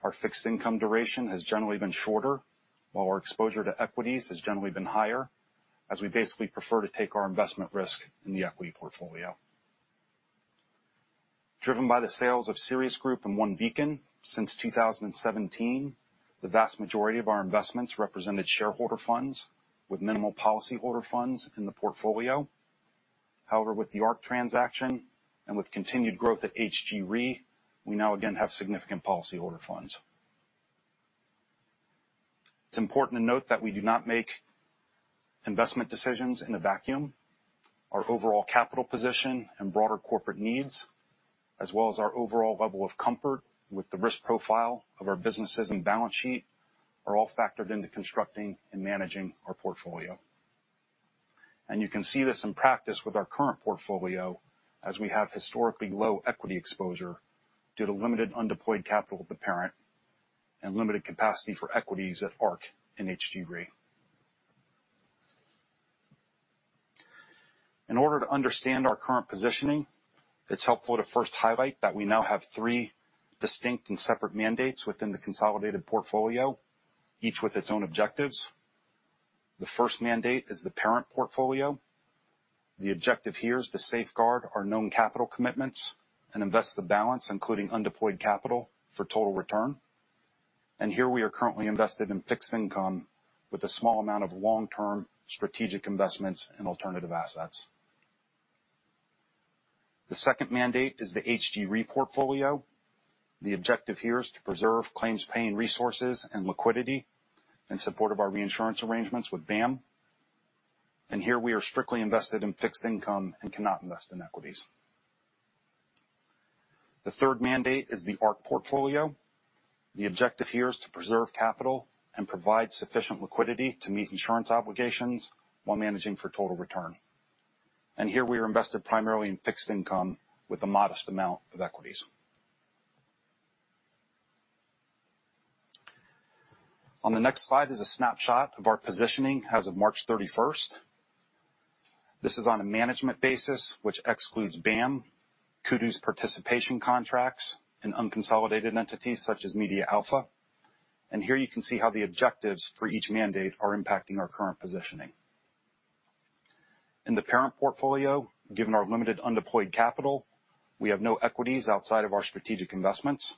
our fixed income duration has generally been shorter, while our exposure to equities has generally been higher, as we basically prefer to take our investment risk in the equity portfolio. Driven by the sales of Sirius Group and OneBeacon since 2017, the vast majority of our investments represented shareholder funds with minimal policyholder funds in the portfolio. However, with the Ark transaction and with continued growth at HG Re, we now again have significant policyholder funds. It's important to note that we do not make investment decisions in a vacuum. Our overall capital position and broader corporate needs, as well as our overall level of comfort with the risk profile of our businesses and balance sheet, are all factored into constructing and managing our portfolio. You can see this in practice with our current portfolio, as we have historically low equity exposure due to limited undeployed capital at the parent and limited capacity for equities at Ark and HG Re. In order to understand our current positioning, it's helpful to first highlight that we now have three distinct and separate mandates within the consolidated portfolio, each with its own objectives. The first mandate is the parent portfolio. The objective here is to safeguard our known capital commitments and invest the balance, including undeployed capital, for total return. Here we are currently invested in fixed income with a small amount of long-term strategic investments in alternative assets. The second mandate is the HG Re portfolio. The objective here is to preserve claims-paying resources and liquidity in support of our reinsurance arrangements with BAM. Here we are strictly invested in fixed income and cannot invest in equities. The third mandate is the Ark portfolio. The objective here is to preserve capital and provide sufficient liquidity to meet insurance obligations while managing for total return. Here we are invested primarily in fixed income with a modest amount of equities. On the next slide is a snapshot of our positioning as of March 31st. This is on a management basis, which excludes BAM, Kudu's participation contracts, and unconsolidated entities such as MediaAlpha. Here you can see how the objectives for each mandate are impacting our current positioning. In the parent portfolio, given our limited undeployed capital, we have no equities outside of our strategic investments.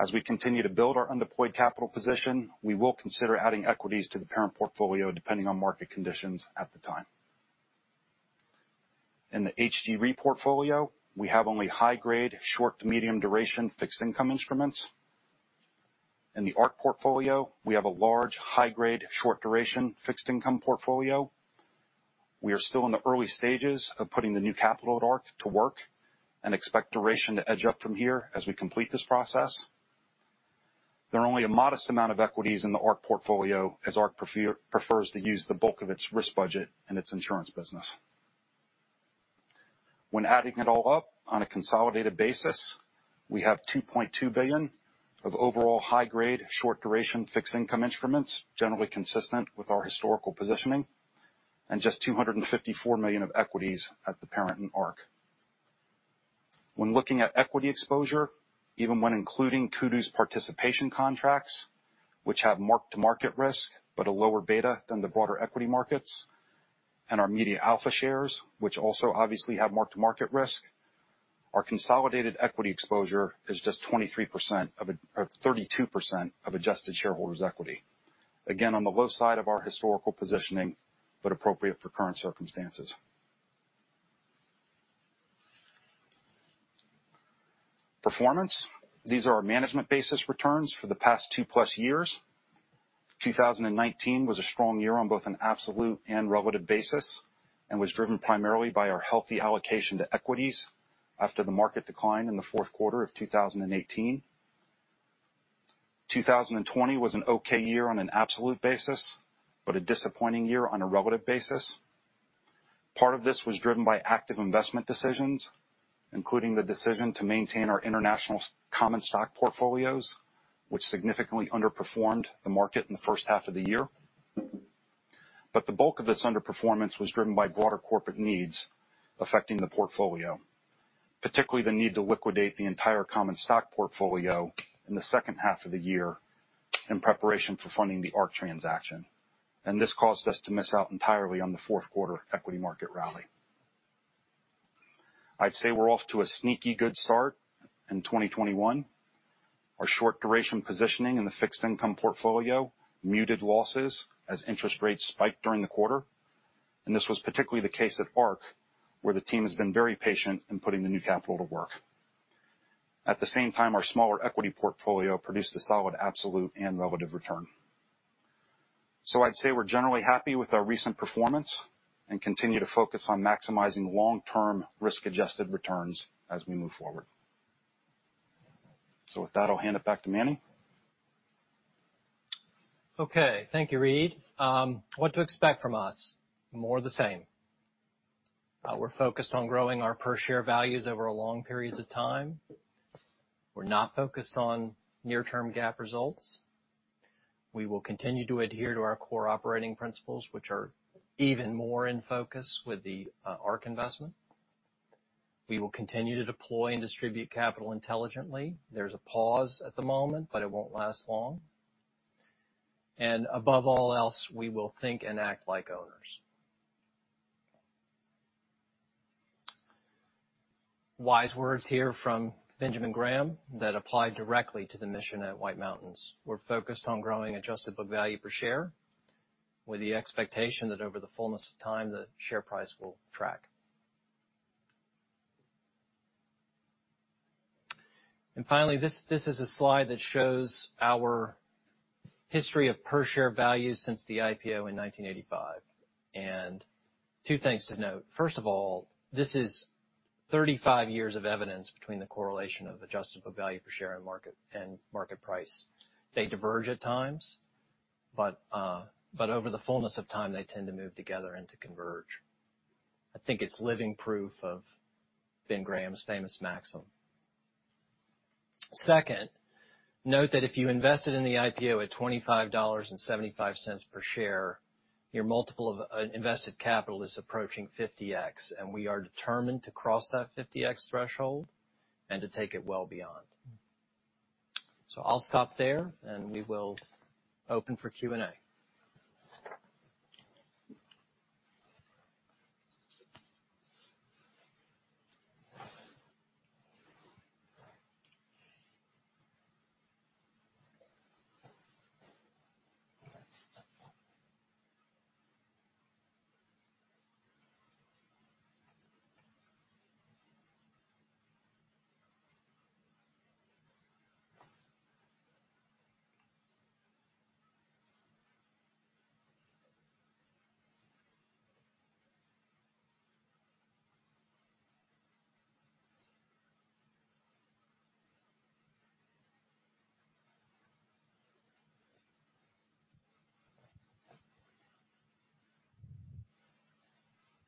As we continue to build our undeployed capital position, we will consider adding equities to the parent portfolio depending on market conditions at the time. In the HG Re portfolio, we have only high-grade, short to medium duration fixed income instruments. In the Ark portfolio, we have a large high-grade, short duration fixed income portfolio. We are still in the early stages of putting the new capital at Ark to work and expect duration to edge up from here as we complete this process. There are only a modest amount of equities in the Ark portfolio as Ark prefers to use the bulk of its risk budget in its insurance business. When adding it all up on a consolidated basis, we have $2.2 billion of overall high-grade, short duration fixed income instruments, generally consistent with our historical positioning, and just $254 million of equities at the parent in Ark. When looking at equity exposure, even when including Kudu's participation contracts, which have mark-to-market risk but a lower beta than the broader equity markets, and our MediaAlpha shares, which also obviously have mark-to-market risk. Our consolidated equity exposure is just 32% of adjusted shareholders' equity. Again, on the low side of our historical positioning, but appropriate for current circumstances. Performance. These are our management basis returns for the past two plus years. 2019 was a strong year on both an absolute and relative basis, and was driven primarily by our healthy allocation to equities after the market decline in the fourth quarter of 2018. 2020 was an okay year on an absolute basis, but a disappointing year on a relative basis. Part of this was driven by active investment decisions, including the decision to maintain our international common stock portfolios, which significantly underperformed the market in the first half of the year. The bulk of this underperformance was driven by broader corporate needs affecting the portfolio, particularly the need to liquidate the entire common stock portfolio in the second half of the year in preparation for funding the Ark transaction. This caused us to miss out entirely on the fourth quarter equity market rally. I'd say we're off to a sneaky good start in 2021. Our short duration positioning in the fixed income portfolio muted losses as interest rates spiked during the quarter. This was particularly the case at Ark, where the team has been very patient in putting the new capital to work. At the same time, our smaller equity portfolio produced a solid absolute and relative return. I'd say we're generally happy with our recent performance and continue to focus on maximizing long-term risk-adjusted returns as we move forward. With that, I'll hand it back to Manning. Okay. Thank you, Reid. What to expect from us? More of the same. We're focused on growing our per share values over long periods of time. We're not focused on near-term GAAP results. We will continue to adhere to our core operating principles, which are even more in focus with the Ark investment. We will continue to deploy and distribute capital intelligently. There's a pause at the moment, but it won't last long. Above all else, we will think and act like owners. Wise words here from Benjamin Graham that apply directly to the mission at White Mountains. We're focused on growing adjusted book value per share with the expectation that over the fullness of time, the share price will track. Finally, this is a slide that shows our history of per share value since the IPO in 1985. Two things to note. First of all, this is 35 years of evidence between the correlation of adjusted book value per share and market price. They diverge at times, but over the fullness of time, they tend to move together and to converge. I think it's living proof of Ben Graham's famous maxim. Second, note that if you invested in the IPO at $25.75 per share, your multiple of invested capital is approaching 50x, and we are determined to cross that 50x threshold and to take it well beyond. I'll stop there, and we will open for Q&A.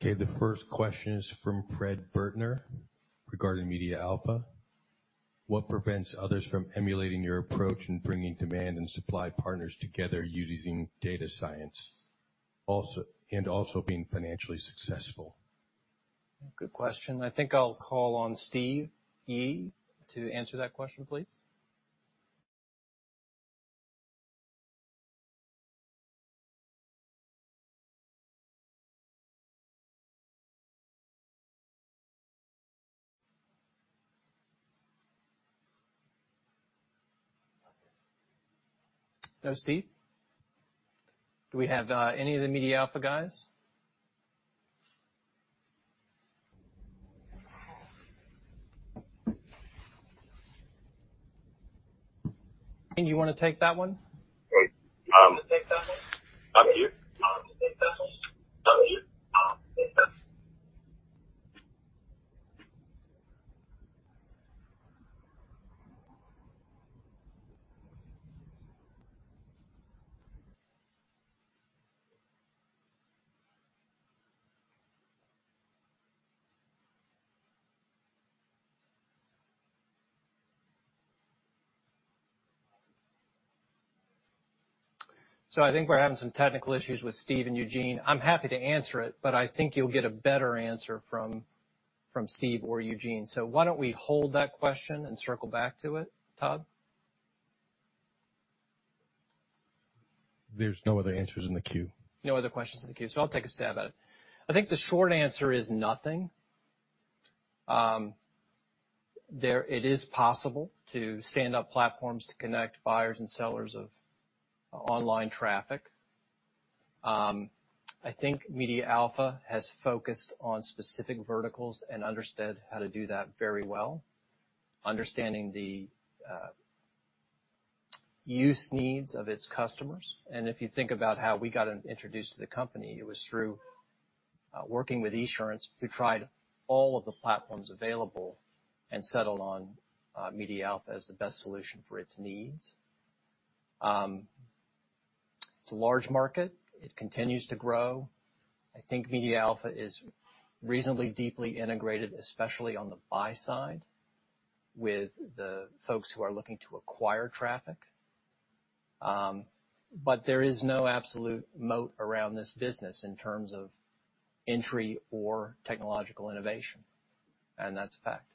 Okay. The first question is from Fred Burtner regarding MediaAlpha. What prevents others from emulating your approach in bringing demand and supply partners together using data science, and also being financially successful? Good question. I think I'll call on Steve Yi to answer that question, please. No Steve? Do we have any of the MediaAlpha guys? Eugene, you want to take that one? I think we're having some technical issues with Steve and Eugene. I'm happy to answer it, but I think you'll get a better answer from Steve or Eugene. Why don't we hold that question and circle back to it, Todd? There's no other answers in the queue. No other questions in the queue. I'll take a stab at it. I think the short answer is nothing. It is possible to stand up platforms to connect buyers and sellers of online traffic. I think MediaAlpha has focused on specific verticals and understood how to do that very well, understanding the use needs of its customers. If you think about how we got introduced to the company, it was through working with Esurance, who tried all of the platforms available and settled on MediaAlpha as the best solution for its needs. It's a large market. It continues to grow. I think MediaAlpha is reasonably deeply integrated, especially on the buy side, with the folks who are looking to acquire traffic. There is no absolute moat around this business in terms of entry or technological innovation, and that's a fact.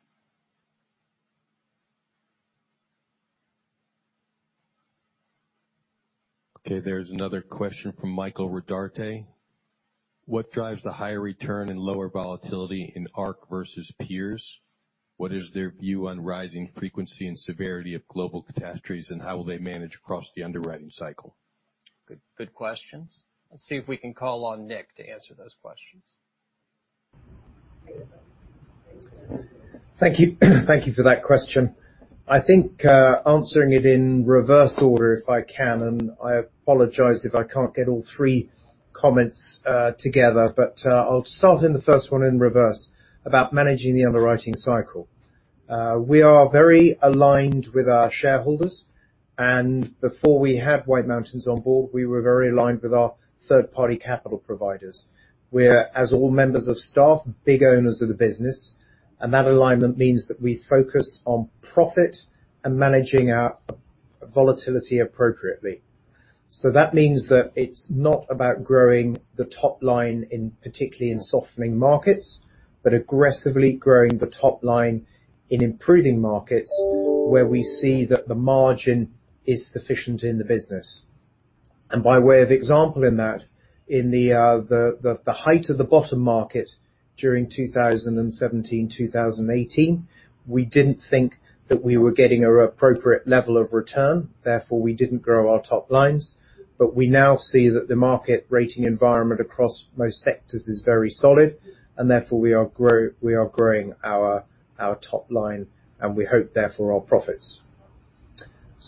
Okay, there's another question from Michael Rodarte. What drives the higher return and lower volatility in Ark versus peers? What is their view on rising frequency and severity of global catastrophes, and how will they manage across the underwriting cycle? Good questions. Let's see if we can call on Nick to answer those questions. Thank you for that question. I think answering it in reverse order, if I can, and I apologize if I can't get all three comments together. I'll start in the first one in reverse about managing the underwriting cycle. We are very aligned with our shareholders, and before we had White Mountains on board, we were very aligned with our third-party capital providers. We're, as all members of staff, big owners of the business, and that alignment means that we focus on profit and managing our volatility appropriately. That means that it's not about growing the top line particularly in softening markets, but aggressively growing the top line in improving markets where we see that the margin is sufficient in the business. By way of example in that, in the height of the bottom market during 2017, 2018, we didn't think that we were getting an appropriate level of return, therefore, we didn't grow our top lines. We now see that the market rating environment across most sectors is very solid, and therefore we are growing our top line and we hope therefore our profits.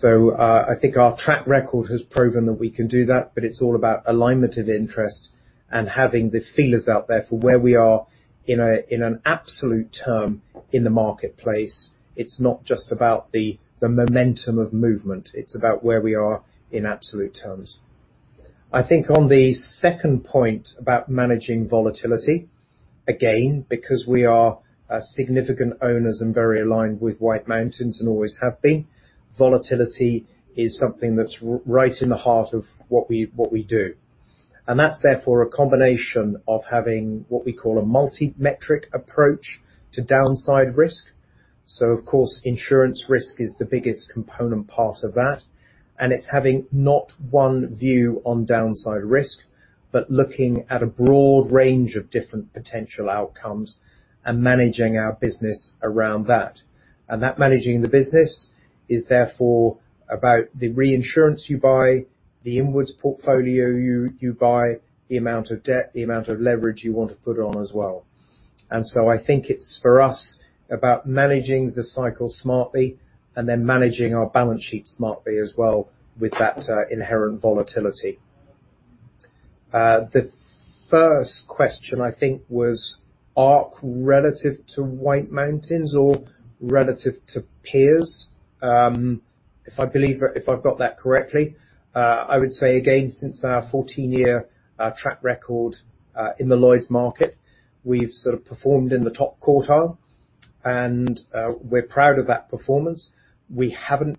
I think our track record has proven that we can do that, but it's all about alignment of interest and having the feelers out there for where we are in an absolute term in the marketplace. It's not just about the momentum of movement. It's about where we are in absolute terms. I think on the second point about managing volatility, again, because we are significant owners and very aligned with White Mountains and always have been, volatility is something that's right in the heart of what we do. That's therefore a combination of having what we call a multi-metric approach to downside risk. Of course, insurance risk is the biggest component part of that, and it's having not one view on downside risk, but looking at a broad range of different potential outcomes and managing our business around that. That managing the business is therefore about the reinsurance you buy, the inwards portfolio you buy, the amount of debt, the amount of leverage you want to put on as well. I think it's for us about managing the cycle smartly and then managing our balance sheet smartly as well with that inherent volatility. The first question, I think, was Ark relative to White Mountains or relative to peers. If I've got that correctly, I would say again, since our 14-year track record in the Lloyd's market, we've sort of performed in the top quartile, and we're proud of that performance. Again,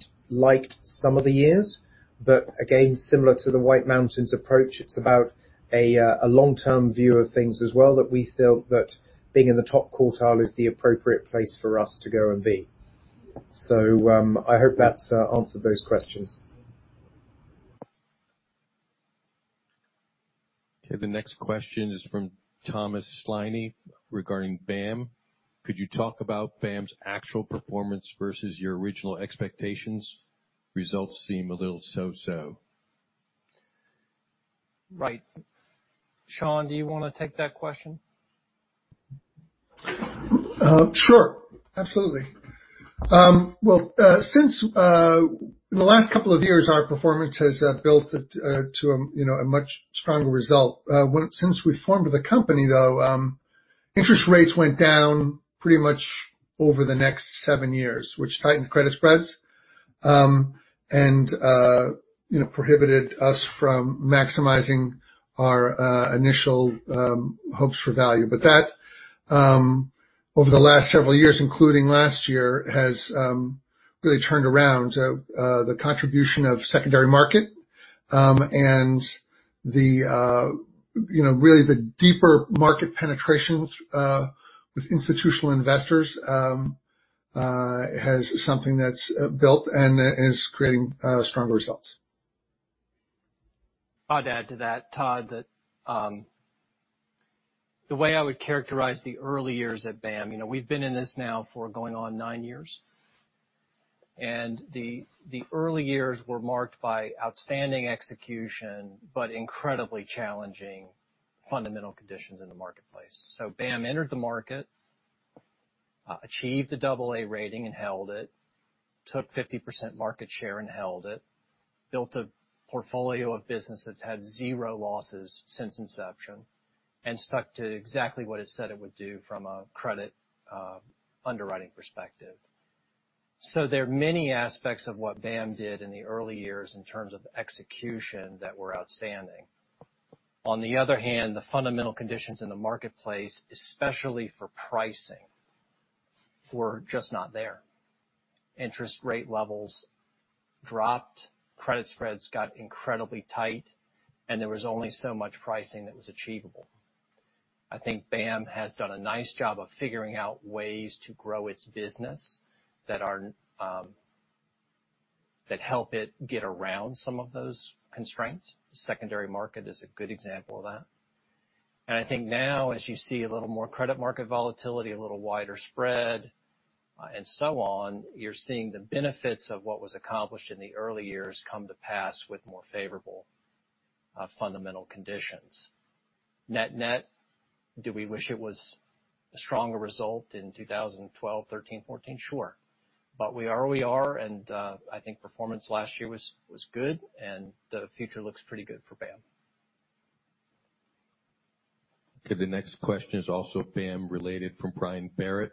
similar to the White Mountains approach, it's about a long-term view of things as well, that we feel that being in the top quartile is the appropriate place for us to go and be. I hope that's answered those questions. The next question is from Thomas Sliney regarding BAM. Could you talk about BAM's actual performance versus your original expectations? Results seem a little so-so. Right. Sean, do you want to take that question? Sure. Absolutely. Well, since in the last couple of years, our performance has built to a much stronger result. Since we formed the company, though, interest rates went down pretty much over the next seven years, which tightened credit spreads and prohibited us from maximizing our initial hopes for value. That, over the last several years, including last year, has really turned around the contribution of secondary market and really the deeper market penetration with institutional investors has something that's built and is creating stronger results. I'd add to that, Todd, that the way I would characterize the early years at BAM. We've been in this now for going on nine years. The early years were marked by outstanding execution, but incredibly challenging fundamental conditions in the marketplace. BAM entered the market, achieved a double A rating and held it, took 50% market share and held it, built a portfolio of business that's had zero losses since inception, stuck to exactly what it said it would do from a credit underwriting perspective. There are many aspects of what BAM did in the early years in terms of execution that were outstanding. On the other hand, the fundamental conditions in the marketplace, especially for pricing, were just not there. Interest rate levels dropped, credit spreads got incredibly tight, there was only so much pricing that was achievable. I think BAM has done a nice job of figuring out ways to grow its business that help it get around some of those constraints. Secondary market is a good example of that. I think now, as you see a little more credit market volatility, a little wider spread, and so on, you're seeing the benefits of what was accomplished in the early years come to pass with more favorable fundamental conditions. Net net, do we wish it was a stronger result in 2012, 2013, 2014? Sure. We are who we are, and I think performance last year was good, and the future looks pretty good for BAM. Okay, the next question is also BAM related from Brian Barrett.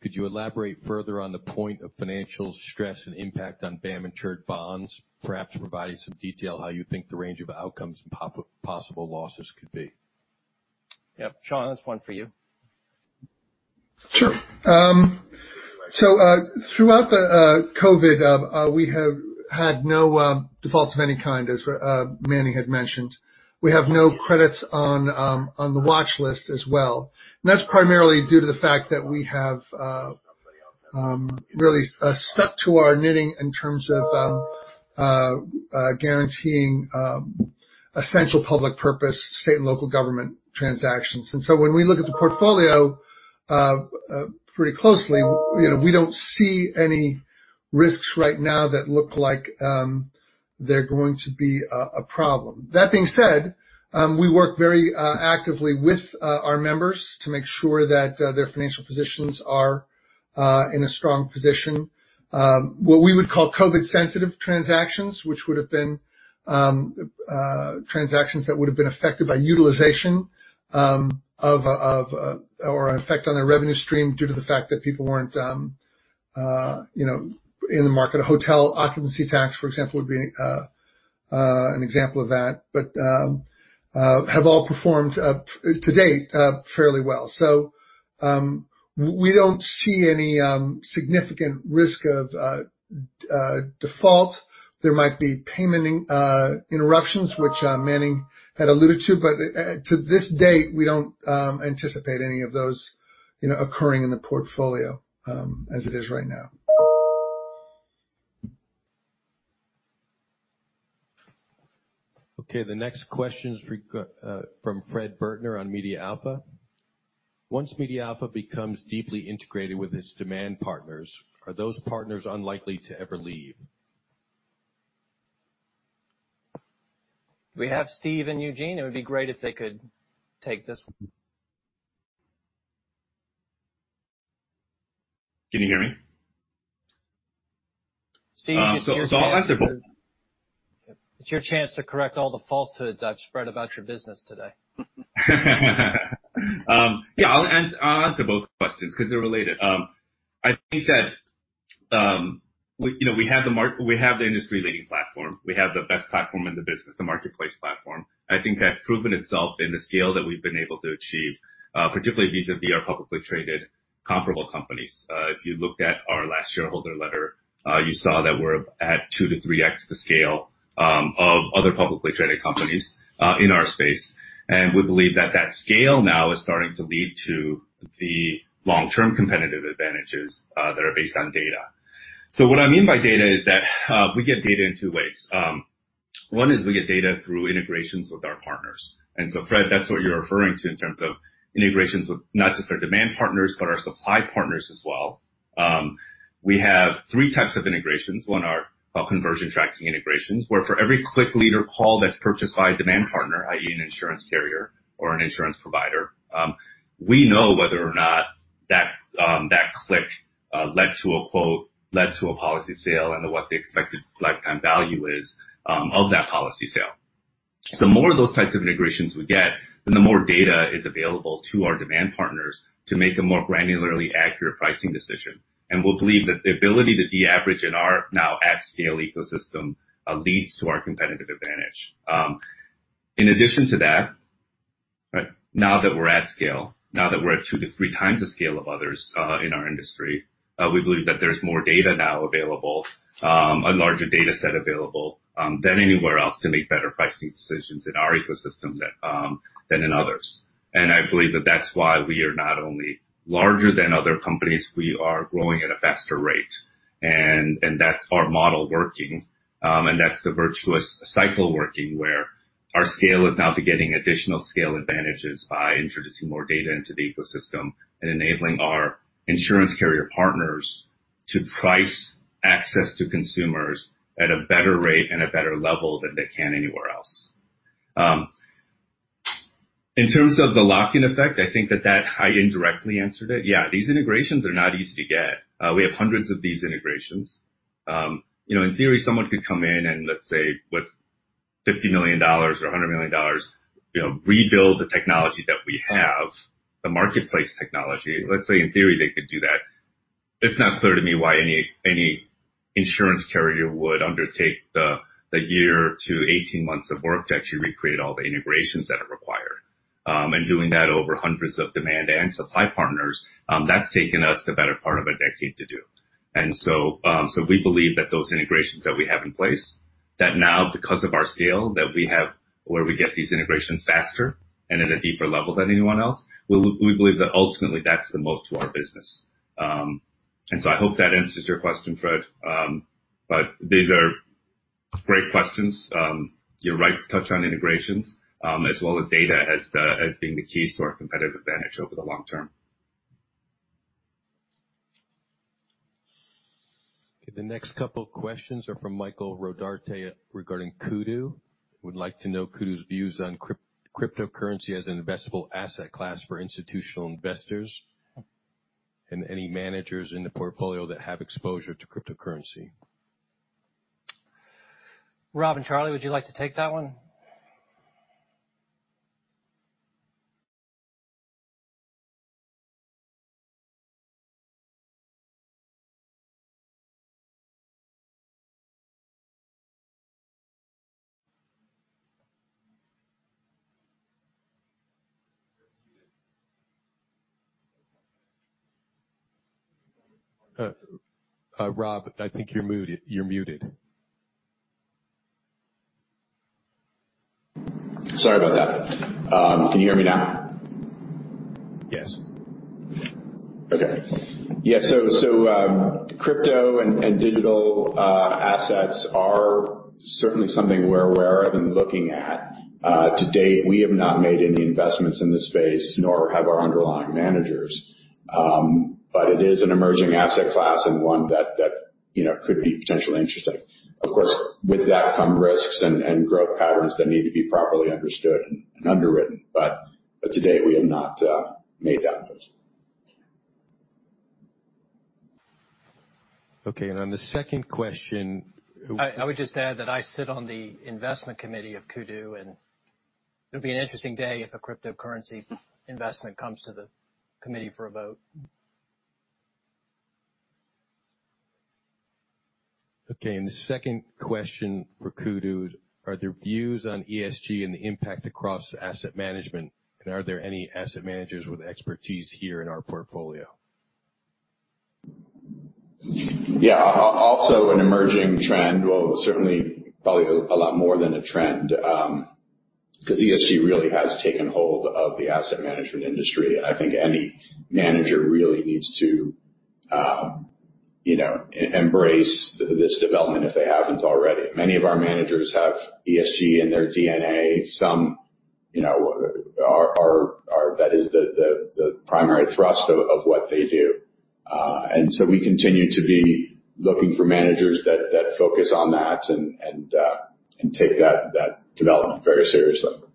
Could you elaborate further on the point of financial stress and impact on BAM insured bonds, perhaps providing some detail how you think the range of outcomes and possible losses could be? Yep. Sean, that's one for you. Sure. Throughout the COVID, we have had no defaults of any kind, as Manning had mentioned. We have no credits on the watch list as well. That's primarily due to the fact that we have really stuck to our knitting in terms of guaranteeing essential public purpose, state and local government transactions. When we look at the portfolio pretty closely, we don't see any risks right now that look like they're going to be a problem. That being said, we work very actively with our members to make sure that their financial positions are in a strong position. What we would call COVID sensitive transactions, which would have been transactions that would have been affected by utilization or an effect on their revenue stream due to the fact that people weren't in the market. A hotel occupancy tax, for example, would be an example of that. Have all performed up to date fairly well. We don't see any significant risk of default. There might be payment interruptions, which Manning had alluded to, but to this date, we don't anticipate any of those occurring in the portfolio as it is right now. Okay, the next question is from Fred Burtner on MediaAlpha. Once MediaAlpha becomes deeply integrated with its demand partners, are those partners unlikely to ever leave? We have Steve and Eugene Nonko. It would be great if they could take this one. Can you hear me? Steve, it's your chance. It's your chance to correct all the falsehoods I've spread about your business today. Yeah. I'll answer both questions because they're related. I think that we have the industry-leading platform. We have the best platform in the business, the marketplace platform. I think that's proven itself in the scale that we've been able to achieve, particularly vis-a-vis our publicly traded comparable companies. If you looked at our last shareholder letter, you saw that we're at 2x-3x the scale of other publicly traded companies in our space. We believe that scale now is starting to lead to the long-term competitive advantages that are based on data. What I mean by data is that we get data in two ways. One is we get data through integrations with our partners. Fred, that's what you're referring to in terms of integrations with not just our demand partners but our supply partners as well. We have three types of integrations. One are conversion tracking integrations, where for every click, lead, or call that's purchased by a demand partner, i.e., an insurance carrier or an insurance provider, we know whether or not that click led to a quote, led to a policy sale, and what the expected lifetime value is of that policy sale. More of those types of integrations we get, then the more data is available to our demand partners to make a more granularly accurate pricing decision. We believe that the ability to de-average in our now at-scale ecosystem leads to our competitive advantage. In addition to that, now that we're at scale, now that we're at 2x-3x the scale of others in our industry, we believe that there's more data now available, a larger data set available than anywhere else to make better pricing decisions in our ecosystem than in others. I believe that's why we are not only larger than other companies, we are growing at a faster rate. That's our model working, and that's the virtuous cycle working, where our scale is now begetting additional scale advantages by introducing more data into the ecosystem and enabling our insurance carrier partners to price access to consumers at a better rate and a better level than they can anywhere else. In terms of the lock-in effect, I think that I indirectly answered it. Yeah, these integrations are not easy to get. We have hundreds of these integrations. In theory, someone could come in and, let's say with $50 million or $100 million, rebuild the technology that we have, the marketplace technology. Let's say in theory they could do that. It's not clear to me why any insurance carrier would undertake the year to 18 months of work to actually recreate all the integrations that are required. Doing that over hundreds of demand and supply partners, that's taken us the better part of a decade to do. We believe that those integrations that we have in place, that now because of our scale, that we have where we get these integrations faster and at a deeper level than anyone else, we believe that ultimately that's the moat to our business. I hope that answers your question, Fred. These are great questions. You're right to touch on integrations, as well as data as being the keys to our competitive advantage over the long term. The next couple of questions are from Michael Rodarte regarding Kudu. Would like to know Kudu's views on cryptocurrency as an investable asset class for institutional investors, and any managers in the portfolio that have exposure to cryptocurrency. Rob and Charlie, would you like to take that one? Rob, I think you're muted. Sorry about that. Can you hear me now? Yes. Okay. Yeah, crypto and digital assets are certainly something we're aware of and looking at. To date, we have not made any investments in the space, nor have our underlying managers. It is an emerging asset class and one that could be potentially interesting. Of course, with that come risks and growth patterns that need to be properly understood and underwritten. To date, we have not made that move. Okay, and then the second question. I would just add that I sit on the investment committee of Kudu, and it'd be an interesting day if a cryptocurrency investment comes to the committee for a vote. The second question for Kudu, are there views on ESG and the impact across asset management, and are there any asset managers with expertise here in our portfolio? Yeah, also an emerging trend. Well, certainly, probably a lot more than a trend, because ESG really has taken hold of the asset management industry. I think any manager really needs to embrace this development if they haven't already. Many of our managers have ESG in their DNA. Some, that is the primary thrust of what they do. We continue to be looking for managers that focus on that and take that development very seriously.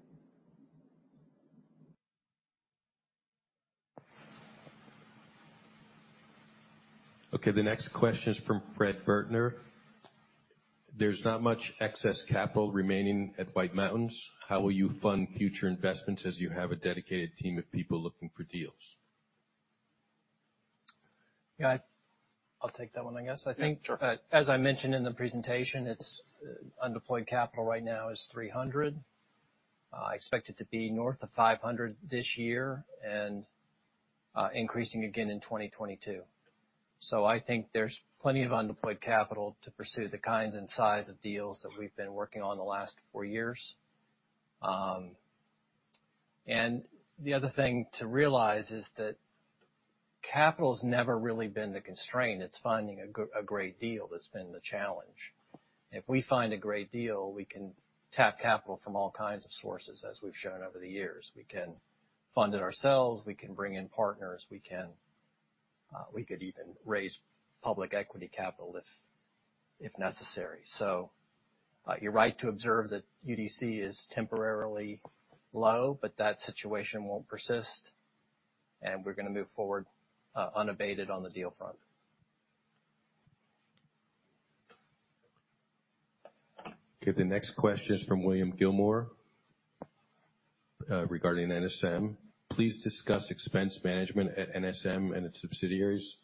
Okay, the next question is from Fred Burtner. There's not much excess capital remaining at White Mountains. How will you fund future investments as you have a dedicated team of people looking for deals? Yeah, I'll take that one, I guess. Yeah, sure. As I mentioned in the presentation, its undeployed capital right now is $300 million. I expect it to be north of $500 million this year, and increasing again in 2022. I think there's plenty of undeployed capital to pursue the kinds and size of deals that we've been working on the last four years. The other thing to realize is that capital's never really been the constraint. It's finding a great deal that's been the challenge. If we find a great deal, we can tap capital from all kinds of sources, as we've shown over the years. We can fund it ourselves. We can bring in partners. We could even raise public equity capital if necessary. You're right to observe that UDC is temporarily low, but that situation won't persist, and we're going to move forward unabated on the deal front. Okay, the next question is from William Gilmore regarding NSM. Please discuss expense management at NSM and its subsidiaries.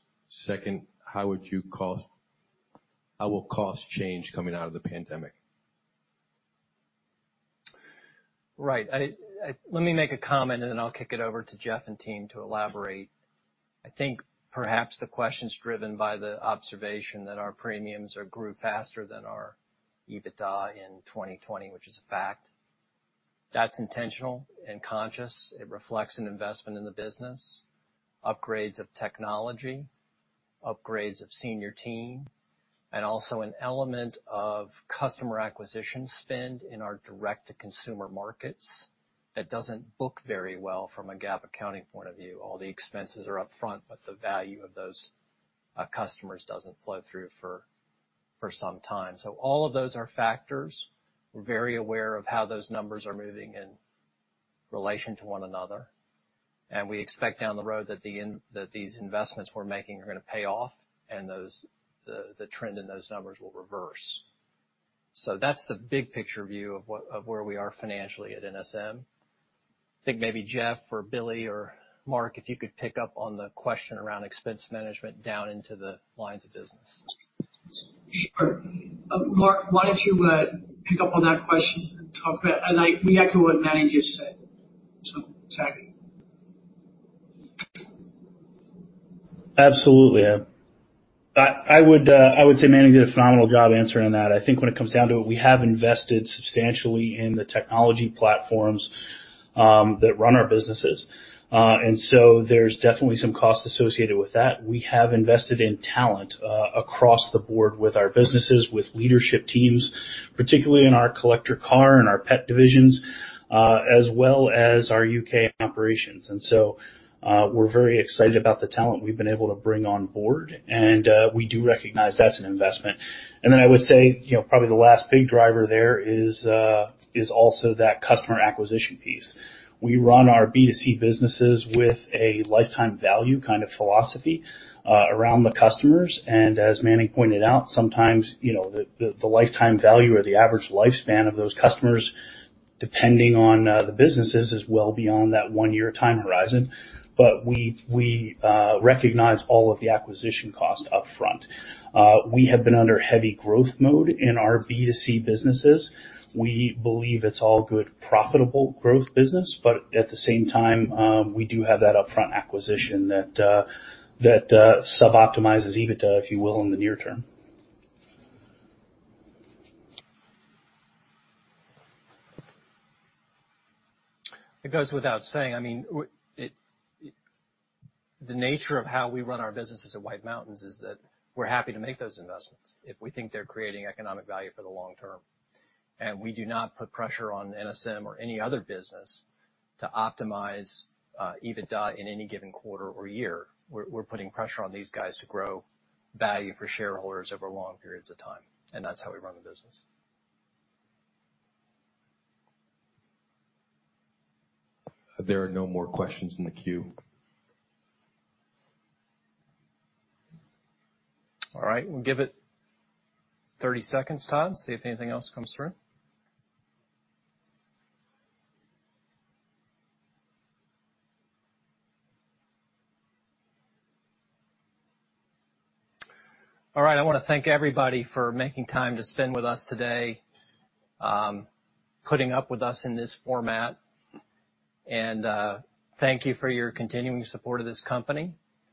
Second, how will costs change coming out of the pandemic? Right. Let me make a comment, and then I'll kick it over to Geof and team to elaborate. I think perhaps the question's driven by the observation that our premiums grew faster than our EBITDA in 2020, which is a fact. That's intentional and conscious. It reflects an investment in the business, upgrades of technology, upgrades of senior team, and also an element of customer acquisition spend in our direct-to-consumer markets that doesn't look very well from a GAAP accounting point of view. All the expenses are upfront, the value of those customers doesn't flow through for some time. All of those are factors. We're very aware of how those numbers are moving in relation to one another, and we expect down the road that these investments we're making are going to pay off and the trend in those numbers will reverse. That's the big picture view of where we are financially at NSM. I think maybe Geof or Bill or Marc, if you could pick up on the question around expense management down into the lines of business. Sure. Marc, why don't you pick up on that question and talk about and echo what Manning just said? Sorry. Absolutely. I would say Manning did a phenomenal job answering that. I think when it comes down to it, we have invested substantially in the technology platforms that run our businesses. There's definitely some cost associated with that. We have invested in talent across the board with our businesses, with leadership teams, particularly in our collector car and our pet divisions, as well as our U.K. operations. We're very excited about the talent we've been able to bring on board, and we do recognize that's an investment. I would say, probably the last big driver there is also that customer acquisition piece. We run our B2C businesses with a lifetime value kind of philosophy around the customers. As Manning pointed out, sometimes, the lifetime value or the average lifespan of those customers, depending on the businesses, is well beyond that one-year time horizon. We recognize all of the acquisition costs upfront. We have been under heavy growth mode in our B2C businesses. We believe it's all good profitable growth business, but at the same time, we do have that upfront acquisition that sub-optimizes EBITDA, if you will, in the near term. It goes without saying, the nature of how we run our businesses at White Mountains is that we're happy to make those investments if we think they're creating economic value for the long term. We do not put pressure on NSM or any other business to optimize EBITDA in any given quarter or year. We're putting pressure on these guys to grow value for shareholders over long periods of time, and that's how we run the business. There are no more questions in the queue. All right. We'll give it 30 seconds, Todd, see if anything else comes through. All right, I want to thank everybody for making time to spend with us today, putting up with us in this format. Thank you for your continuing support of this company.